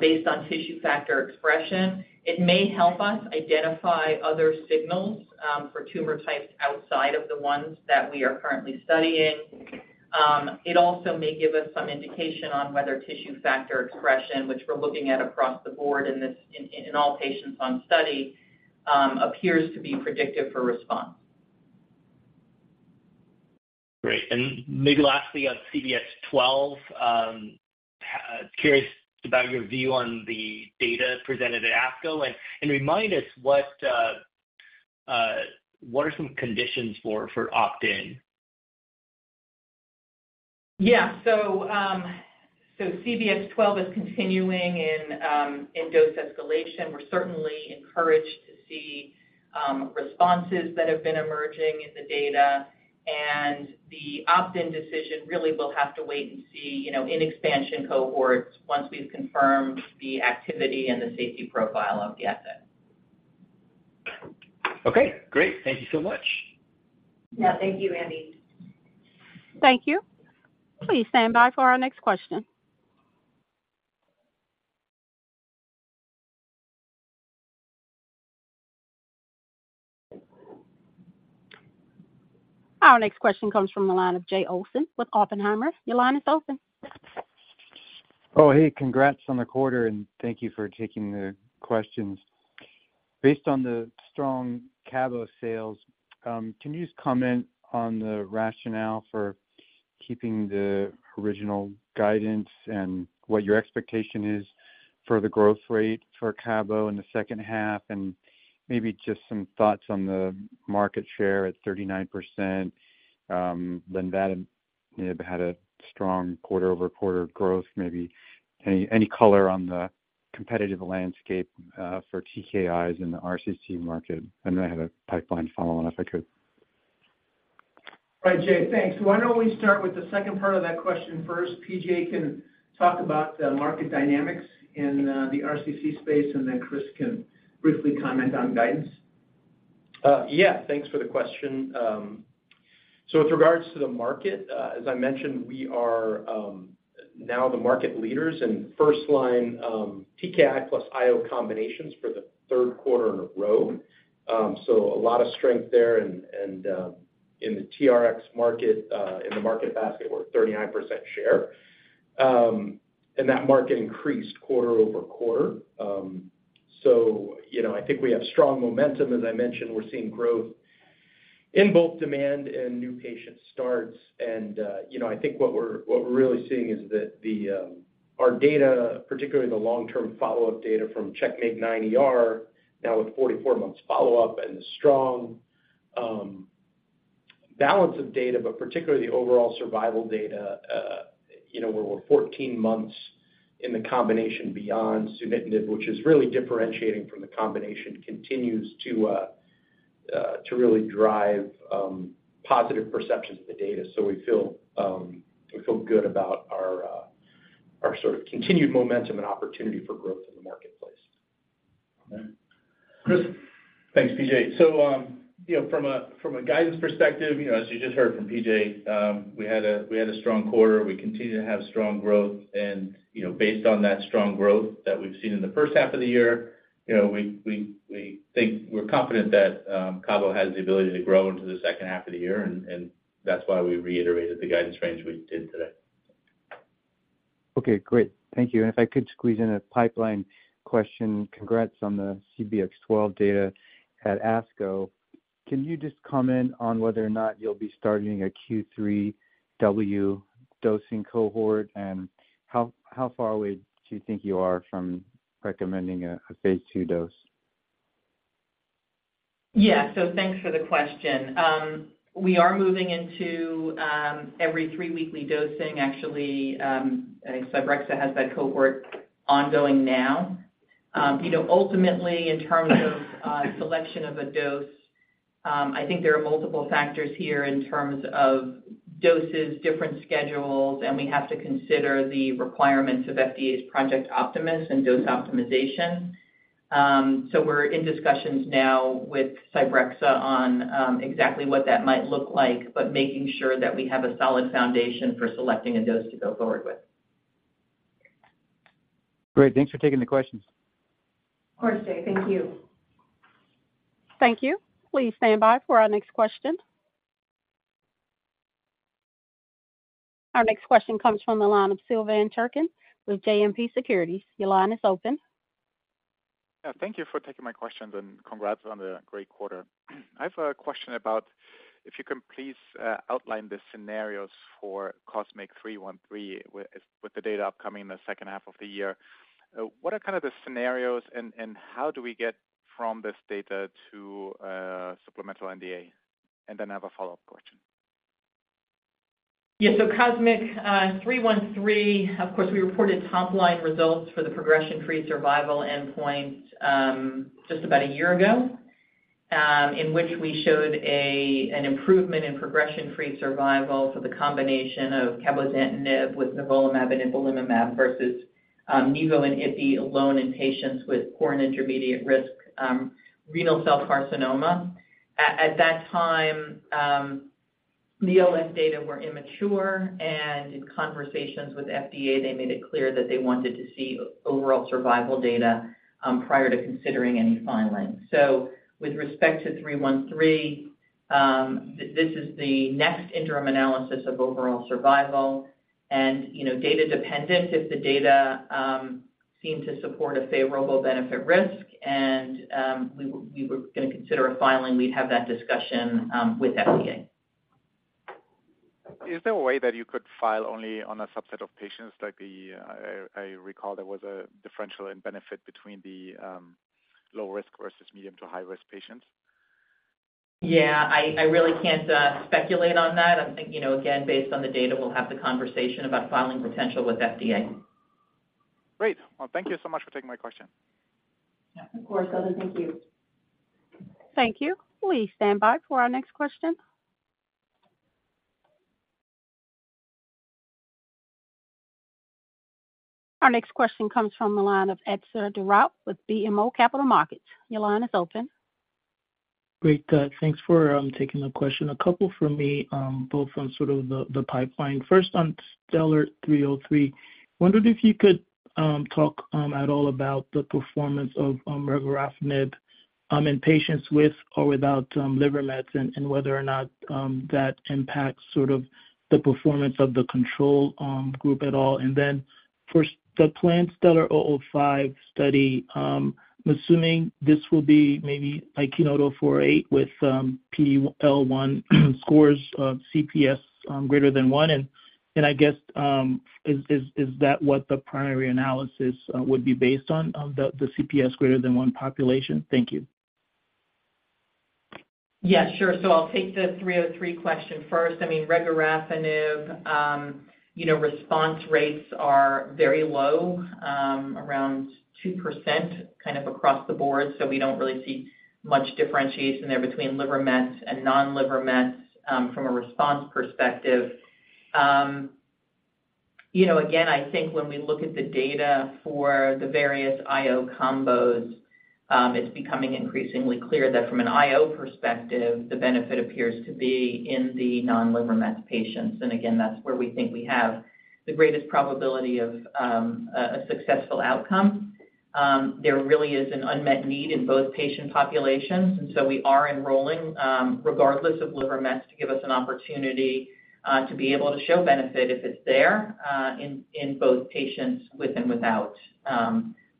based on tissue factor expression. It may help us identify other signals for tumor types outside of the ones that we are currently studying. It also may give us some indication on whether tissue factor expression, which we're looking at across the board in this, in all patients on study, appears to be predictive for response. Great. Maybe lastly, on CBX-12, curious about your view on the data presented at ASCO, and remind us what, what are some conditions for, for opt-in? Yeah. CBX-12 is continuing in dose escalation. We're certainly encouraged to see responses that have been emerging in the data. The opt-in decision really will have to wait and see, you know, in expansion cohorts, once we've confirmed the activity and the safety profile of the asset. Okay, great. Thank you so much. Yeah. Thank you, Andy. Thank you. Please stand by for our next question. Our next question comes from the line of Jay Olson with Oppenheimer. Your line is open. Oh, hey, congrats on the quarter, and thank you for taking the questions. Based on the strong CABO sales, can you just comment on the rationale for keeping the original guidance and what your expectation is for the growth rate for CABO in the H2, and maybe just some thoughts on the market share at 39%? Then that it had a strong quarter-over-quarter growth. Maybe any, any color on the competitive landscape for TKIs in the RCC market. I have a pipeline follow-on, if I could. Right, Jay, thanks. Why don't we start with the second part of that question first? P.J. can talk about the market dynamics in the RCC space, and then Chris can briefly comment on guidance. Yeah, thanks for the question. So with regards to the market, as I mentioned, we are now the market leaders in first-line TKI plus IO combinations for the third quarter in a row. So a lot of strength there in the TRX market, in the market basket, we're at 39% share. That market increased quarter-over-quarter. You know, I think we have strong momentum. As I mentioned, we're seeing growth in both demand and new patient starts. You know, I think what we're, what we're really seeing is that the, our data, particularly the long-term follow-up data from CheckMate 9ER, now with 44 months follow-up and the strong, balance of data, but particularly the overall survival data, you know, where we're 14 months in the combination beyond sunitinib, which is really differentiating from the combination, continues to really drive positive perceptions of the data. We feel we feel good about our sort of continued momentum and opportunity for growth in the market. Chris? Thanks, PJ. You know, from a, from a guidance perspective, you know, as you just heard from PJ, we had a, we had a strong quarter. We continue to have strong growth and, you know, based on that strong growth that we've seen in the first half of the year, you know, we, we, we think we're confident that cabo has the ability to grow into the H2 of the year, and that's why we reiterated the guidance range we did today. Okay, great. Thank you. If I could squeeze in a pipeline question. Congrats on the CBX-12 data at ASCO. Can you just comment on whether or not you'll be starting a Q3W dosing cohort, and how, how far away do you think you are from recommending a phase two dose? Yeah. Thanks for the question. We are moving into every three weekly dosing. Actually, Cybrexa has that cohort ongoing now. You know, ultimately, in terms of selection of a dose, I think there are multiple factors here in terms of doses, different schedules, and we have to consider the requirements of FDA's Project Optimus and dose optimization. We're in discussions now with Cybrexa on exactly what that might look like, but making sure that we have a solid foundation for selecting a dose to go forward with. Great. Thanks for taking the questions. Of course, Jay. Thank you. Thank you. Please stand by for our next question. Our next question comes from the line of Silvan Tuerkcan with JMP Securities. Your line is open. Yeah, thank you for taking my questions, and congrats on the great quarter. I have a question about if you can please outline the scenarios for COSMIC-313, with the data upcoming in the H2 of the year. What are kind of the scenarios, and how do we get from this data to a supplemental NDA? Then I have a follow-up question. Yeah. COSMIC-313, of course, we reported top-line results for the progression-free survival endpoint, just about one year ago, in which we showed a, an improvement in progression-free survival for the combination of cabozantinib with nivolumab and ipilimumab versus, nivolumab and ipi alone in patients with poor and intermediate risk, renal cell carcinoma. At that time, the OS data were immature, and in conversations with FDA, they made it clear that they wanted to see overall survival data, prior to considering any filing. With respect to COSMIC-313, this is the next interim analysis of overall survival and, you know, data dependent, if the data, seem to support a favorable benefit risk and, we were gonna consider a filing, we'd have that discussion, with FDA. Is there a way that you could file only on a subset of patients? Like the, I recall there was a differential in benefit between the low risk versus medium to high-risk patients. Yeah, I, I really can't speculate on that. I think, you know, again, based on the data, we'll have the conversation about filing potential with FDA. Great. Well, thank you so much for taking my question. Yeah, of course, Sylvain. Thank you. Thank you. Please stand by for our next question. Our next question comes from the line of Etzer Darout with BMO Capital Markets. Your line is open. Great. thanks for taking the question. A couple from me, both on sort of the pipeline. First, on STELLAR-303, wondered if you could talk at all about the performance of regorafenib in patients with or without liver mets, and whether or not that impacts sort of the performance of the control group at all. Then for the planned STELLAR-005 study, I'm assuming this will be maybe KEYNOTE-048 with PD-L1 scores of CPS greater than 1. I guess, is, is, is that what the primary analysis would be based on, on the CPS greater than 1 population? Thank you. Yeah, sure. I'll take the STELLAR-303 question first. I mean, regorafenib, you know, response rates are very low, around 2%, kind of across the board, so we don't really see much differentiation there between liver mets and non-liver mets from a response perspective. You know, again, I think when we look at the data for the various IO combos, it's becoming increasingly clear that from an IO perspective, the benefit appears to be in the non-liver mets patients. Again, that's where we think we have the greatest probability of a successful outcome. There really is an unmet need in both patient populations, and so we are enrolling regardless of liver mets, to give us an opportunity to be able to show benefit if it's there, in both patients with and without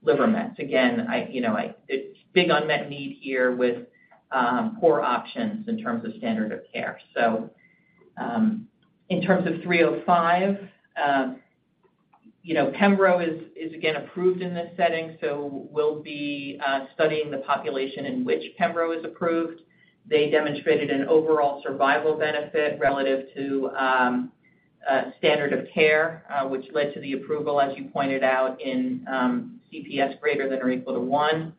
liver mets. Again, I, you know, it's big unmet need here with poor options in terms of standard of care. In terms of 305, you know, pembro is again approved in this setting, so we'll be studying the population in which pembro is approved. They demonstrated an overall survival benefit relative to standard of care, which led to the approval, as you pointed out, in CPS greater than or equal to one.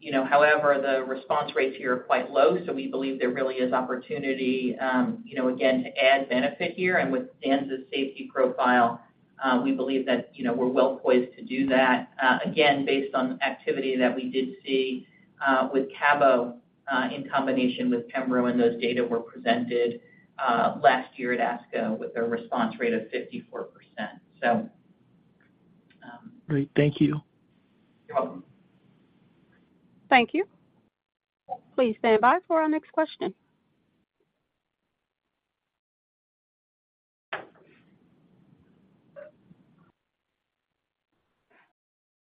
you know, however, the response rates here are quite low, we believe there really is opportunity, you know, again, to add benefit here, and with zanzalintinib safety profile. We believe that, you know, we're well poised to do that, again, based on activity that we did see, with cabo, in combination with pembro, and those data were presented, last year at ASCO with a response rate of 54%. Great. Thank you. You're welcome. Thank you. Please stand by for our next question.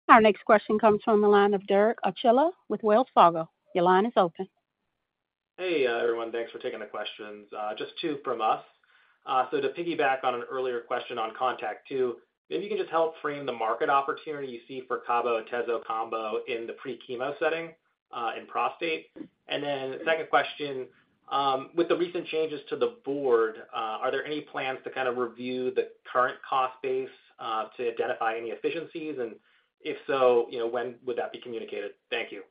Our next question comes from the line of Derek Archila with Wells Fargo. Your line is open. Hey, everyone. Thanks for taking the questions. Just two from us. To piggyback on an earlier question on CONTACT-02, maybe you can just help frame the market opportunity you see for cabo and Tecentriq combo in the pre-chemo setting in prostate. Then second question, with the recent changes to the board, are there any plans to kind of review the current cost base to identify any efficiencies? If so, you know, when would that be communicated? Thank you.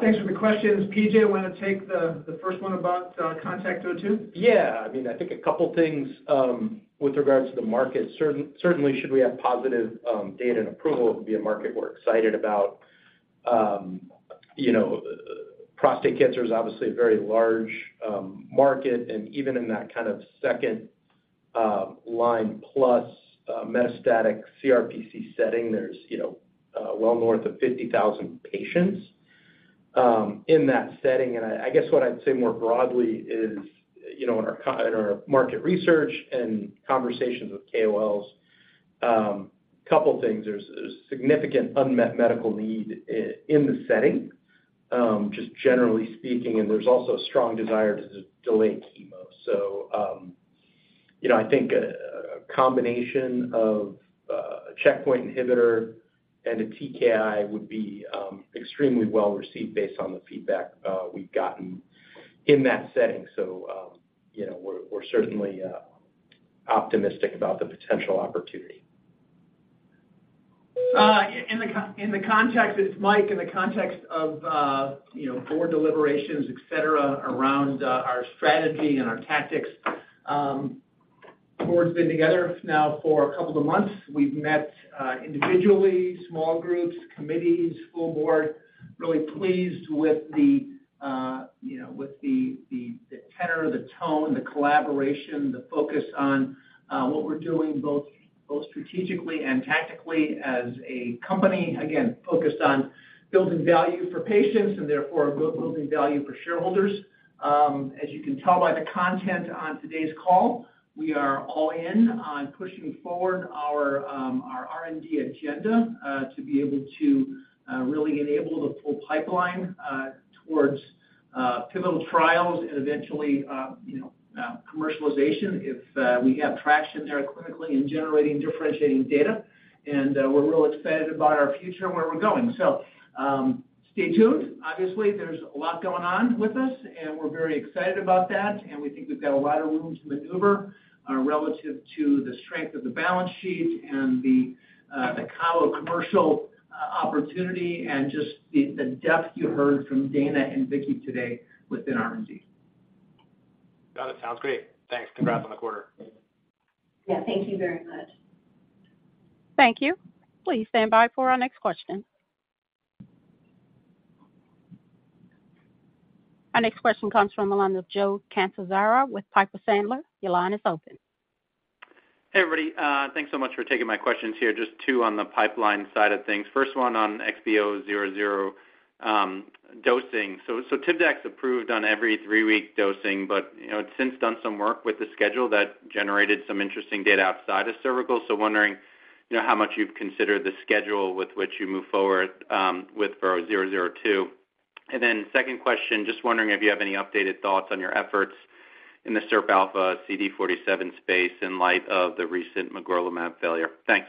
Thanks for the questions. P.J., you want to take the first one about CONTACT-02 and two? Yeah. I mean, I think a couple of things with regards to the market. Certainly, should we have positive data and approval, it would be a market we're excited about. You know, prostate cancer is obviously a very large market, and even in that kind of second line plus metastatic CRPC setting, there's, you know, well north of 50,000 patients in that setting. And I, I guess what I'd say more broadly is, you know, in our market research and conversations with KOLs, a couple of things: there's, there's significant unmet medical need in the setting, just generally speaking, and there's also a strong desire to delay chemo. You know, I think a, a combination of, a checkpoint inhibitor and a TKI would be, extremely well-received based on the feedback, we've gotten in that setting. You know, we're, we're certainly, optimistic about the potential opportunity. In the context... It's Mike. In the context of, you know, board deliberations, et cetera, around our strategy and our tactics, the board's been together now for a couple of months. We've met individually, small groups, committees, full board. Really pleased with the, you know, with the, the, the tenor, the tone, the collaboration, the focus on what we're doing, both, both strategically and tactically as a company, again, focused on building value for patients and therefore, building value for shareholders. As you can tell by the content on today's call, we are all in on pushing forward our R&D agenda to be able to really enable the full pipeline towards pivotal trials and eventually, you know, commercialization, if we have traction there clinically in generating differentiating data. We're really excited about our future and where we're going. So, stay tuned. Obviously, there's a lot going on with us, and we're very excited about that, and we think we've got a lot of room to maneuver relative to the strength of the balance sheet and the cabo commercial opportunity and just the depth you heard from Dana and Vicki today within R&D. Got it. Sounds great. Thanks. Congrats on the quarter. Yeah, thank you very much. Thank you. Please stand by for our next question. Our next question comes from the line of Joseph Catanzaro with Piper Sandler. Your line is open. Hey, everybody, thanks so much for taking my questions here. Just two on the pipeline side of things. First one on XB002, dosing. Tivdak's approved on every 3-week dosing, but, you know, it's since done some work with the schedule that generated some interesting data outside of cervical. Wondering, you know, how much you've considered the schedule with which you move forward, with XB002? Second question, just wondering if you have any updated thoughts on your efforts in the SIRPα CD47 space in light of the recent magrolimab failure. Thanks.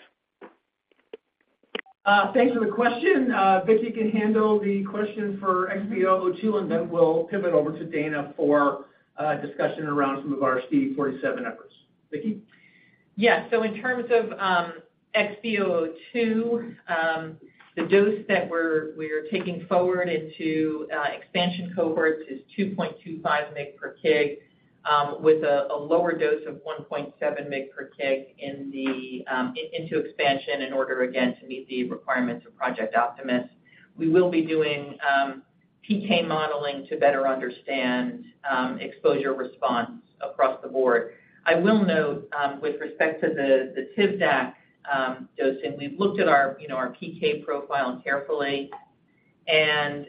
Thanks for the question. Vicki can handle the question for XB002, and then we'll pivot over to Dana for discussion around some of our CD47 efforts. Vicki? Yes. In terms of XB002, the dose that we're, we're taking forward into expansion cohorts is 2.25 mg per kg, with a lower dose of 1.7 mg per kg into expansion in order, again, to meet the requirements of Project Optimus. We will be doing PK modeling to better understand exposure response across the board. I will note, with respect to the Tivdak dosing, we've looked at our, you know, our PK profile carefully, and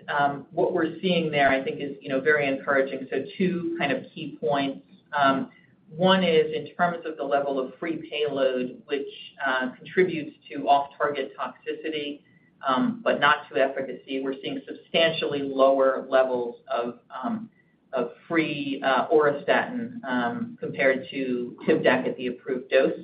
what we're seeing there, I think is, you know, very encouraging. two kind of key points. One is in terms of the level of free payload, which contributes to off-target toxicity, but not to efficacy. We're seeing substantially lower levels of free auristatin compared to Tivdak at the approved dose,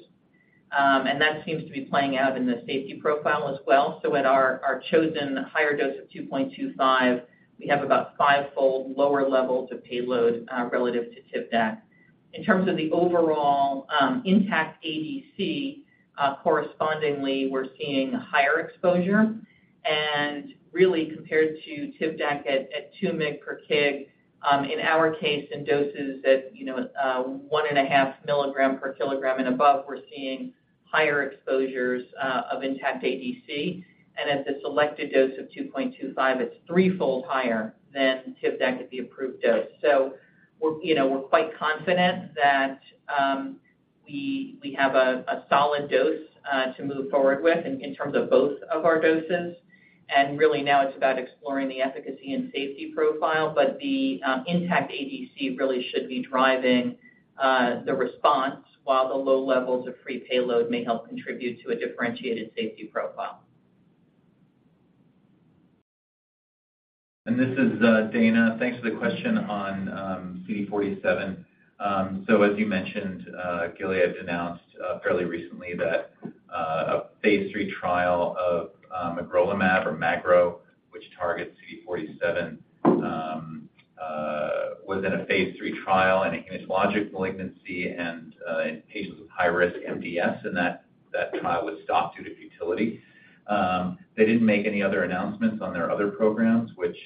and that seems to be playing out in the safety profile as well. At our chosen higher dose of 2.25, we have about five-fold lower levels of payload relative to Tivdak. In terms of the overall intact ADC, correspondingly, we're seeing higher exposure. Really compared to Tivdak at two mg per kg, in our case, in doses at, you know, 1.5 milligram per kilogram and above, we're seeing higher exposures of intact ADC. At the selected dose of 2.25, it's three-fold higher than Tivdak at the approved dose. We're, you know, we're quite confident that, we, we have a, a solid dose to move forward with in, in terms of both of our doses. Really now it's about exploring the efficacy and safety profile, but the intact ADC really should be driving the response, while the low levels of free payload may help contribute to a differentiated safety profile. This is Dana. Thanks for the question on CD47. As you mentioned, Gilead announced fairly recently that a phase three trial of magrolimab, which targets CD47, was in a phase three trial in a hematologic malignancy and in patients with high risk MDS, and that, that trial was stopped due to futility. They didn't make any other announcements on their other programs, which,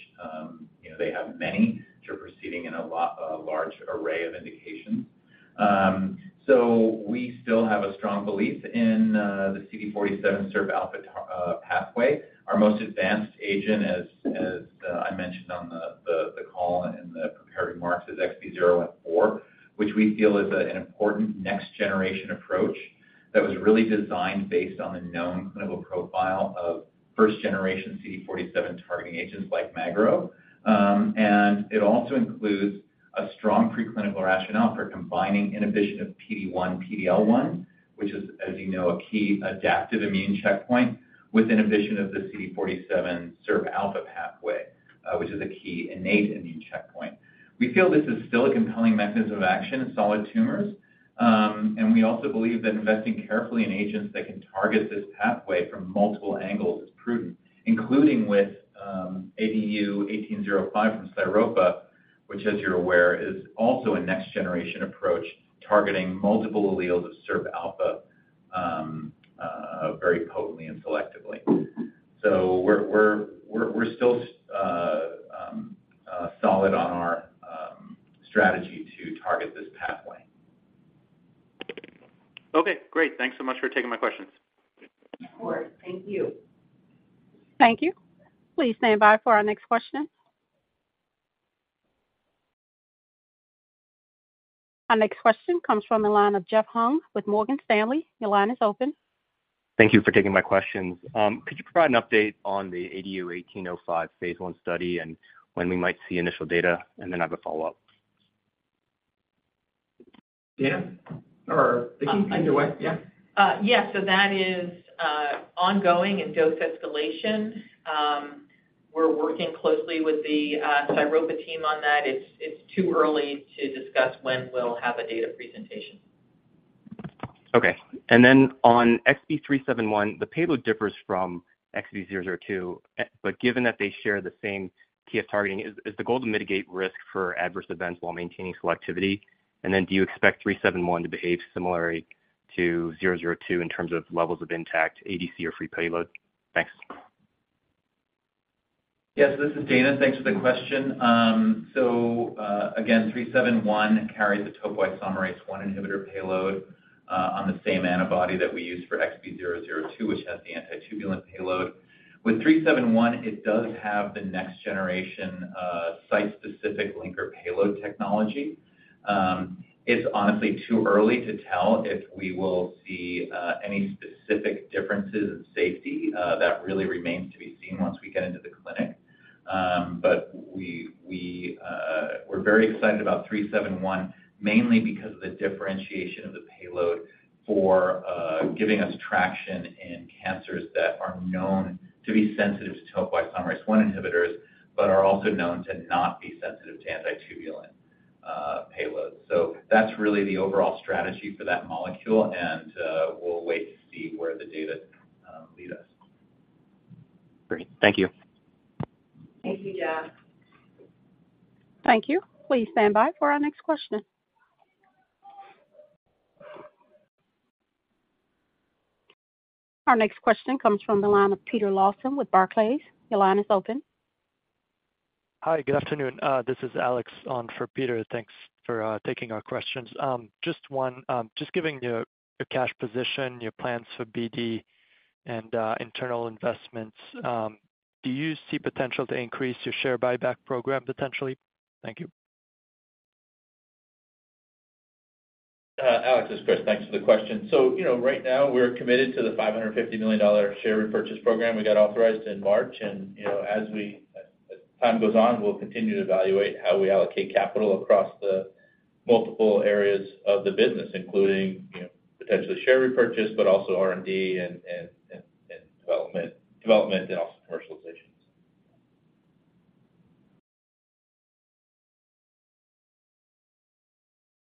you know, they have many. They're proceeding in a large array of indications. We still have a strong belief in the CD47 SIRPα pathway. Our most advanced agent, as, as I mentioned on the call and the prepared remarks, is XB014, which we feel is a, an important next-generation approach that was really designed based on the known clinical profile of first-generation CD47 targeting agents like magrolimab. It also includes a strong preclinical rationale for combining inhibition of PD-1, PD-L1, which is, as you know, a key adaptive immune checkpoint with inhibition of the CD47 SIRPα pathway, which is a key innate immune checkpoint. We feel this is still a compelling mechanism of action in solid tumors, and we also believe that investing carefully in agents that can target this pathway from multiple angles is prudent, including with ADU-1805 from Cyropa, which, as you're aware, is also a next-generation approach, targeting multiple alleles of SIRPα, very potently and selectively. We're, we're, we're, we're still solid on our strategy to target this pathway. Okay, great. Thanks so much for taking my questions. Of course. Thank you. Thank you. Please stand by for our next question. Our next question comes from the line of Jeff Hung with Morgan Stanley. Your line is open. Thank you for taking my questions. Could you provide an update on the ADU-1805 phase one study and when we might see initial data? Then I have a follow-up. Dana, either way. Yeah. Yeah. That is ongoing in dose escalation. We're working closely with the Cyropa team on that. It's too early to discuss when we'll have a data presentation. Okay. On XB371, the payload differs from XB-002, but given that they share the same TF targeting, is the goal to mitigate risk for adverse events while maintaining selectivity? Do you expect 371 to behave similarly to 002 in terms of levels of intact ADC or free payload? Thanks. Yes, this is Dana. Thanks for the question. Again, XB371 carries a topoisomerase I inhibitor payload on the same antibody that we use for XB002, which has the antitubulin payload. With XB371, it does have the next generation site-specific linker payload technology. It's honestly too early to tell if we will see any specific differences in safety. That really remains to be seen once we get into the clinic. We, we're very excited about XB371, mainly because of the differentiation of the payload for giving us traction in cancers that are known to be sensitive to topoisomerase I inhibitors, but are also known to not be sensitive to antitubulin payloads. That's really the overall strategy for that molecule, and, we'll wait to see where the data, lead us. Great. Thank you. Thank you, Jeff. Thank you. Please stand by for our next question. Our next question comes from the line of Peter Lawson with Barclays. Your line is open. Hi, good afternoon. This is Alex on for Peter. Thanks for taking our questions. Just one, just giving your, your cash position, your plans for BD and internal investments, do you see potential to increase your share buyback program potentially? Thank you. Alex, it's Chris. Thanks for the question. You know, right now we're committed to the $550 million share repurchase program we got authorized in March. You know, as time goes on, we'll continue to evaluate how we allocate capital across the multiple areas of the business, including, you know, potentially share repurchase, but also R&D and development and also commercializations.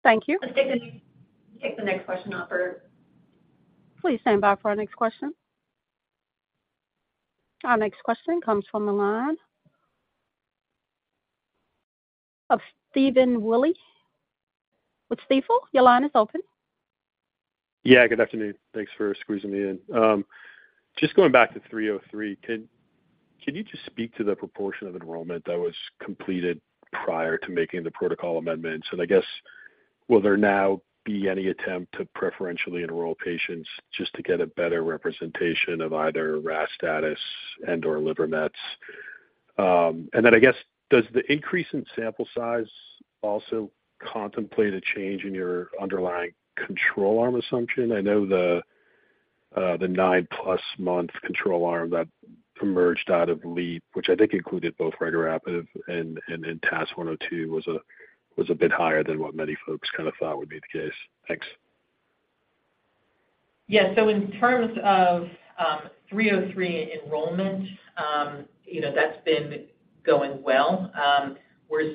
Thank you. Let's take the, take the next question operator. Please stand by for our next question. Our next question comes from the line of Stephen Willey with Stifel. Your line is open. Yeah, good afternoon. Thanks for squeezing me in. Just going back to STELLAR-303, can you just speak to the proportion of enrollment that was completed prior to making the protocol amendments? I guess, will there now be any attempt to preferentially enroll patients just to get a better representation of either RAS status and/or liver mets? I guess, does the increase in sample size also contemplate a change in your underlying control arm assumption? I know the nine+-month control arm that emerged out of LEAP, which I think included both regorafenib and TAS-102, was a bit higher than what many folks kind of thought would be the case. Thanks. Yeah. In terms of 303 enrollment, you know, that's been going well. We're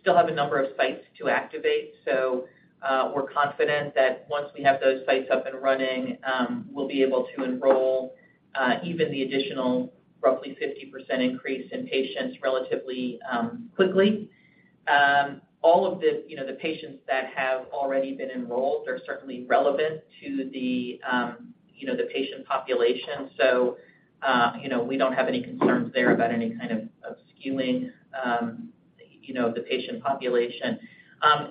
still have a number of sites to activate, so we're confident that once we have those sites up and running, we'll be able to enroll even the additional roughly 50% increase in patients relatively quickly. All of the, you know, the patients that have already been enrolled are certainly relevant to the, you know, the patient population. You know, we don't have any concerns there about any kind of obscuring, you know, the patient population.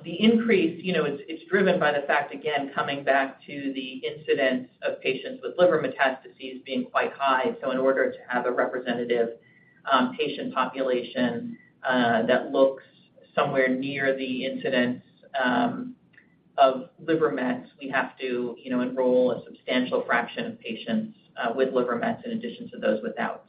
The increase, you know, it's, it's driven by the fact, again, coming back to the incidence of patients with liver metastases being quite high. In order to have a representative patient population that looks somewhere near the incidence of liver mets, we have to, you know, enroll a substantial fraction of patients with liver mets in addition to those without.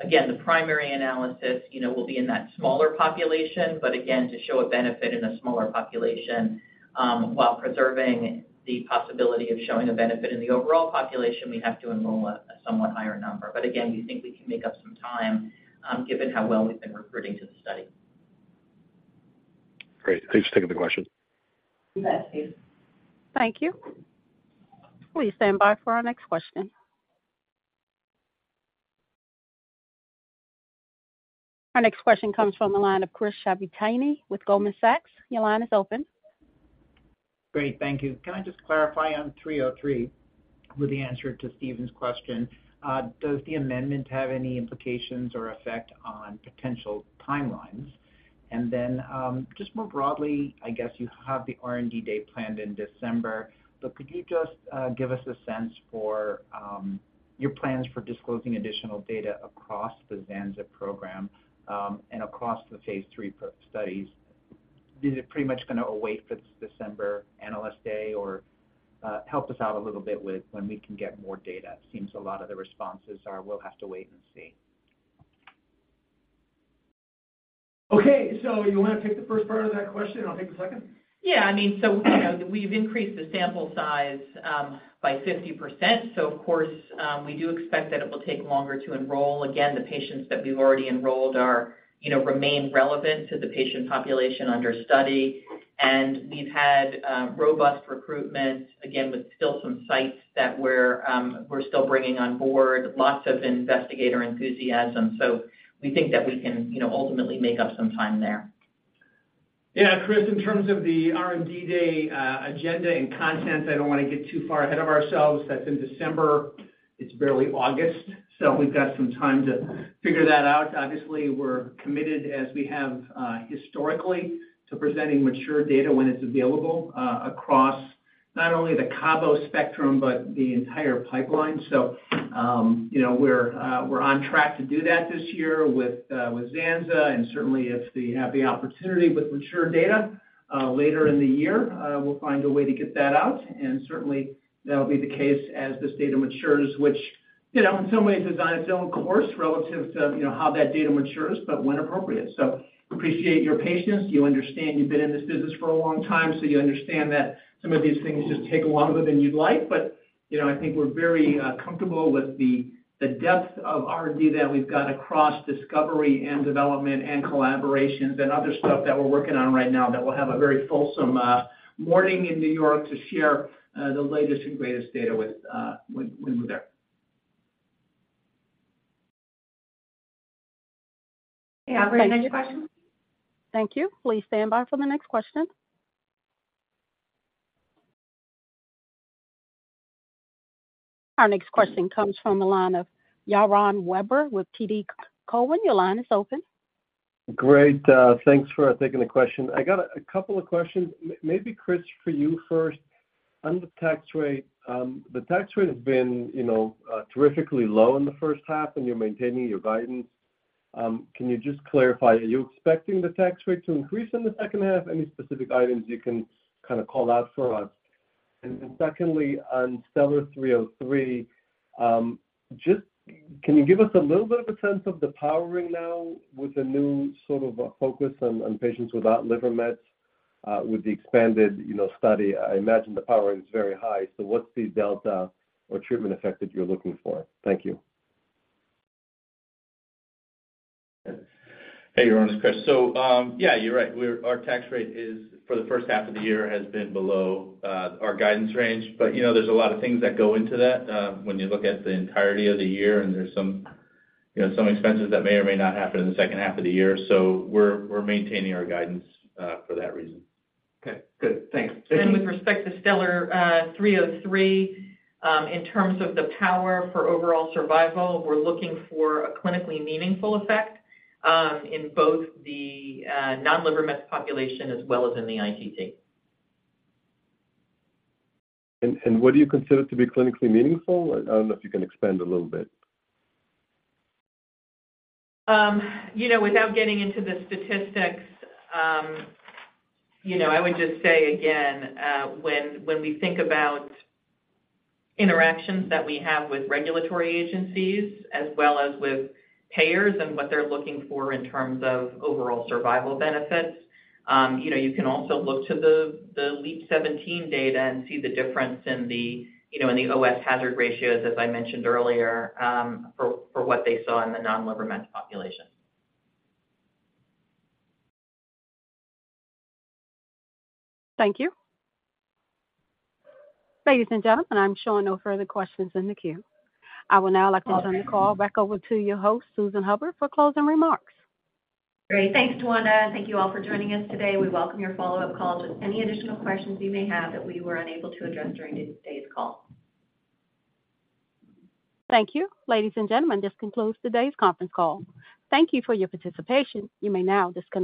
Again, the primary analysis, you know, will be in that smaller population, but again, to show a benefit in a smaller population while preserving the possibility of showing a benefit in the overall population, we have to enroll a somewhat higher number. Again, we think we can make up some time, given how well we've been recruiting to the study. Great. Thanks for taking the question. You bet, Steve. Thank you. Please stand by for our next question. Our next question comes from the line of Chris Shibutani with Goldman Sachs. Your line is open. Great. Thank you. Can I just clarify on 303 with the answer to Stephen's question? Does the amendment have any implications or effect on potential timelines? Just more broadly, I guess you have the R&D day planned in December, but could you just give us a sense for your plans for disclosing additional data across the zanzalintinib's program and across the phase three studies? Is it pretty much gonna await for the December analyst day, or help us out a little bit with when we can get more data? It seems a lot of the responses are, "We'll have to wait and see. Okay. You wanna take the first part of that question, and I'll take the second? Yeah, I mean, you know, we've increased the sample size by 50%, of course, we do expect that it will take longer to enroll. The patients that we've already enrolled are, you know, remain relevant to the patient population under study. We've had robust recruitment, again, with still some sites that we're, we're still bringing on board, lots of investigator enthusiasm. We think that we can, you know, ultimately make up some time there. Yeah, Chris, in terms of the R&D day, agenda and content, I don't wanna get too far ahead of ourselves. That's in December. It's barely August, so we've got some time to figure that out. Obviously, we're committed, as we have, historically, to presenting mature data when it's available, across not only the cabo spectrum, but the entire pipeline. You know, we're, we're on track to do that this year with, with zanzalintinib, and certainly if we have the opportunity with mature data, later in the year, we'll find a way to get that out, and certainly that'll be the case as this data matures, which, you know, in some ways is on its own course relative to, you know, how that data matures, but when appropriate. Appreciate your patience. You understand, you've been in this business for a long time, so you understand that some of these things just take longer than you'd like. You know, I think we're very comfortable with the depth of RD that we've got across discovery and development and collaborations and other stuff that we're working on right now that will have a very fulsome morning in New York to share the latest and greatest data with when, when we're there. Yeah. Are there any more questions? Thank you. Please stand by for the next question. Our next question comes from the line of Yaron Werber with TD Cowen. Your line is open. Great, thanks for taking the question. I got a, a couple of questions. Maybe Chris, for you first. On the tax rate, the tax rate has been, you know, terrifically low in the first half, and you're maintaining your guidance. Can you just clarify, are you expecting the tax rate to increase in the H2? Any specific items you can kind of call out for us? Secondly, on STELLAR-303, Can you give us a little bit of a sense of the powering now with the new sort of focus on patients without liver mets with the expanded, you know, study? I imagine the powering is very high. What's the delta or treatment effect that you're looking for? Thank you. Hey, Yaron, it's Chris. Yeah, you're right. Our tax rate is, for the first half of the year, has been below our guidance range. You know, there's a lot of things that go into that when you look at the entirety of the year, and there's some, you know, some expenses that may or may not happen in the H2 of the year. We're, we're maintaining our guidance for that reason. Okay, good. Thanks. With respect to STELLAR-303, in terms of the power for overall survival, we're looking for a clinically meaningful effect, in both the non-liver mets population as well as in the ITT. What do you consider to be clinically meaningful? I, I don't know if you can expand a little bit. You know, without getting into the statistics, you know, I would just say again, when, when we think about interactions that we have with regulatory agencies as well as with payers and what they're looking for in terms of overall survival benefits, you know, you can also look to the, the LEAP-017 data and see the difference in the, you know, in the OS hazard ratios, as I mentioned earlier, for, for what they saw in the non-liver mets population. Thank you. Ladies and gentlemen, I'm showing no further questions in the queue. I would now like to turn the call back over to your host, Susan Hubbard, for closing remarks. Great. Thanks, Tawanda. Thank you all for joining us today. We welcome your follow-up call with any additional questions you may have that we were unable to address during today's call. Thank you. Ladies and gentlemen, this concludes today's conference call. Thank you for your participation. You may now disconnect.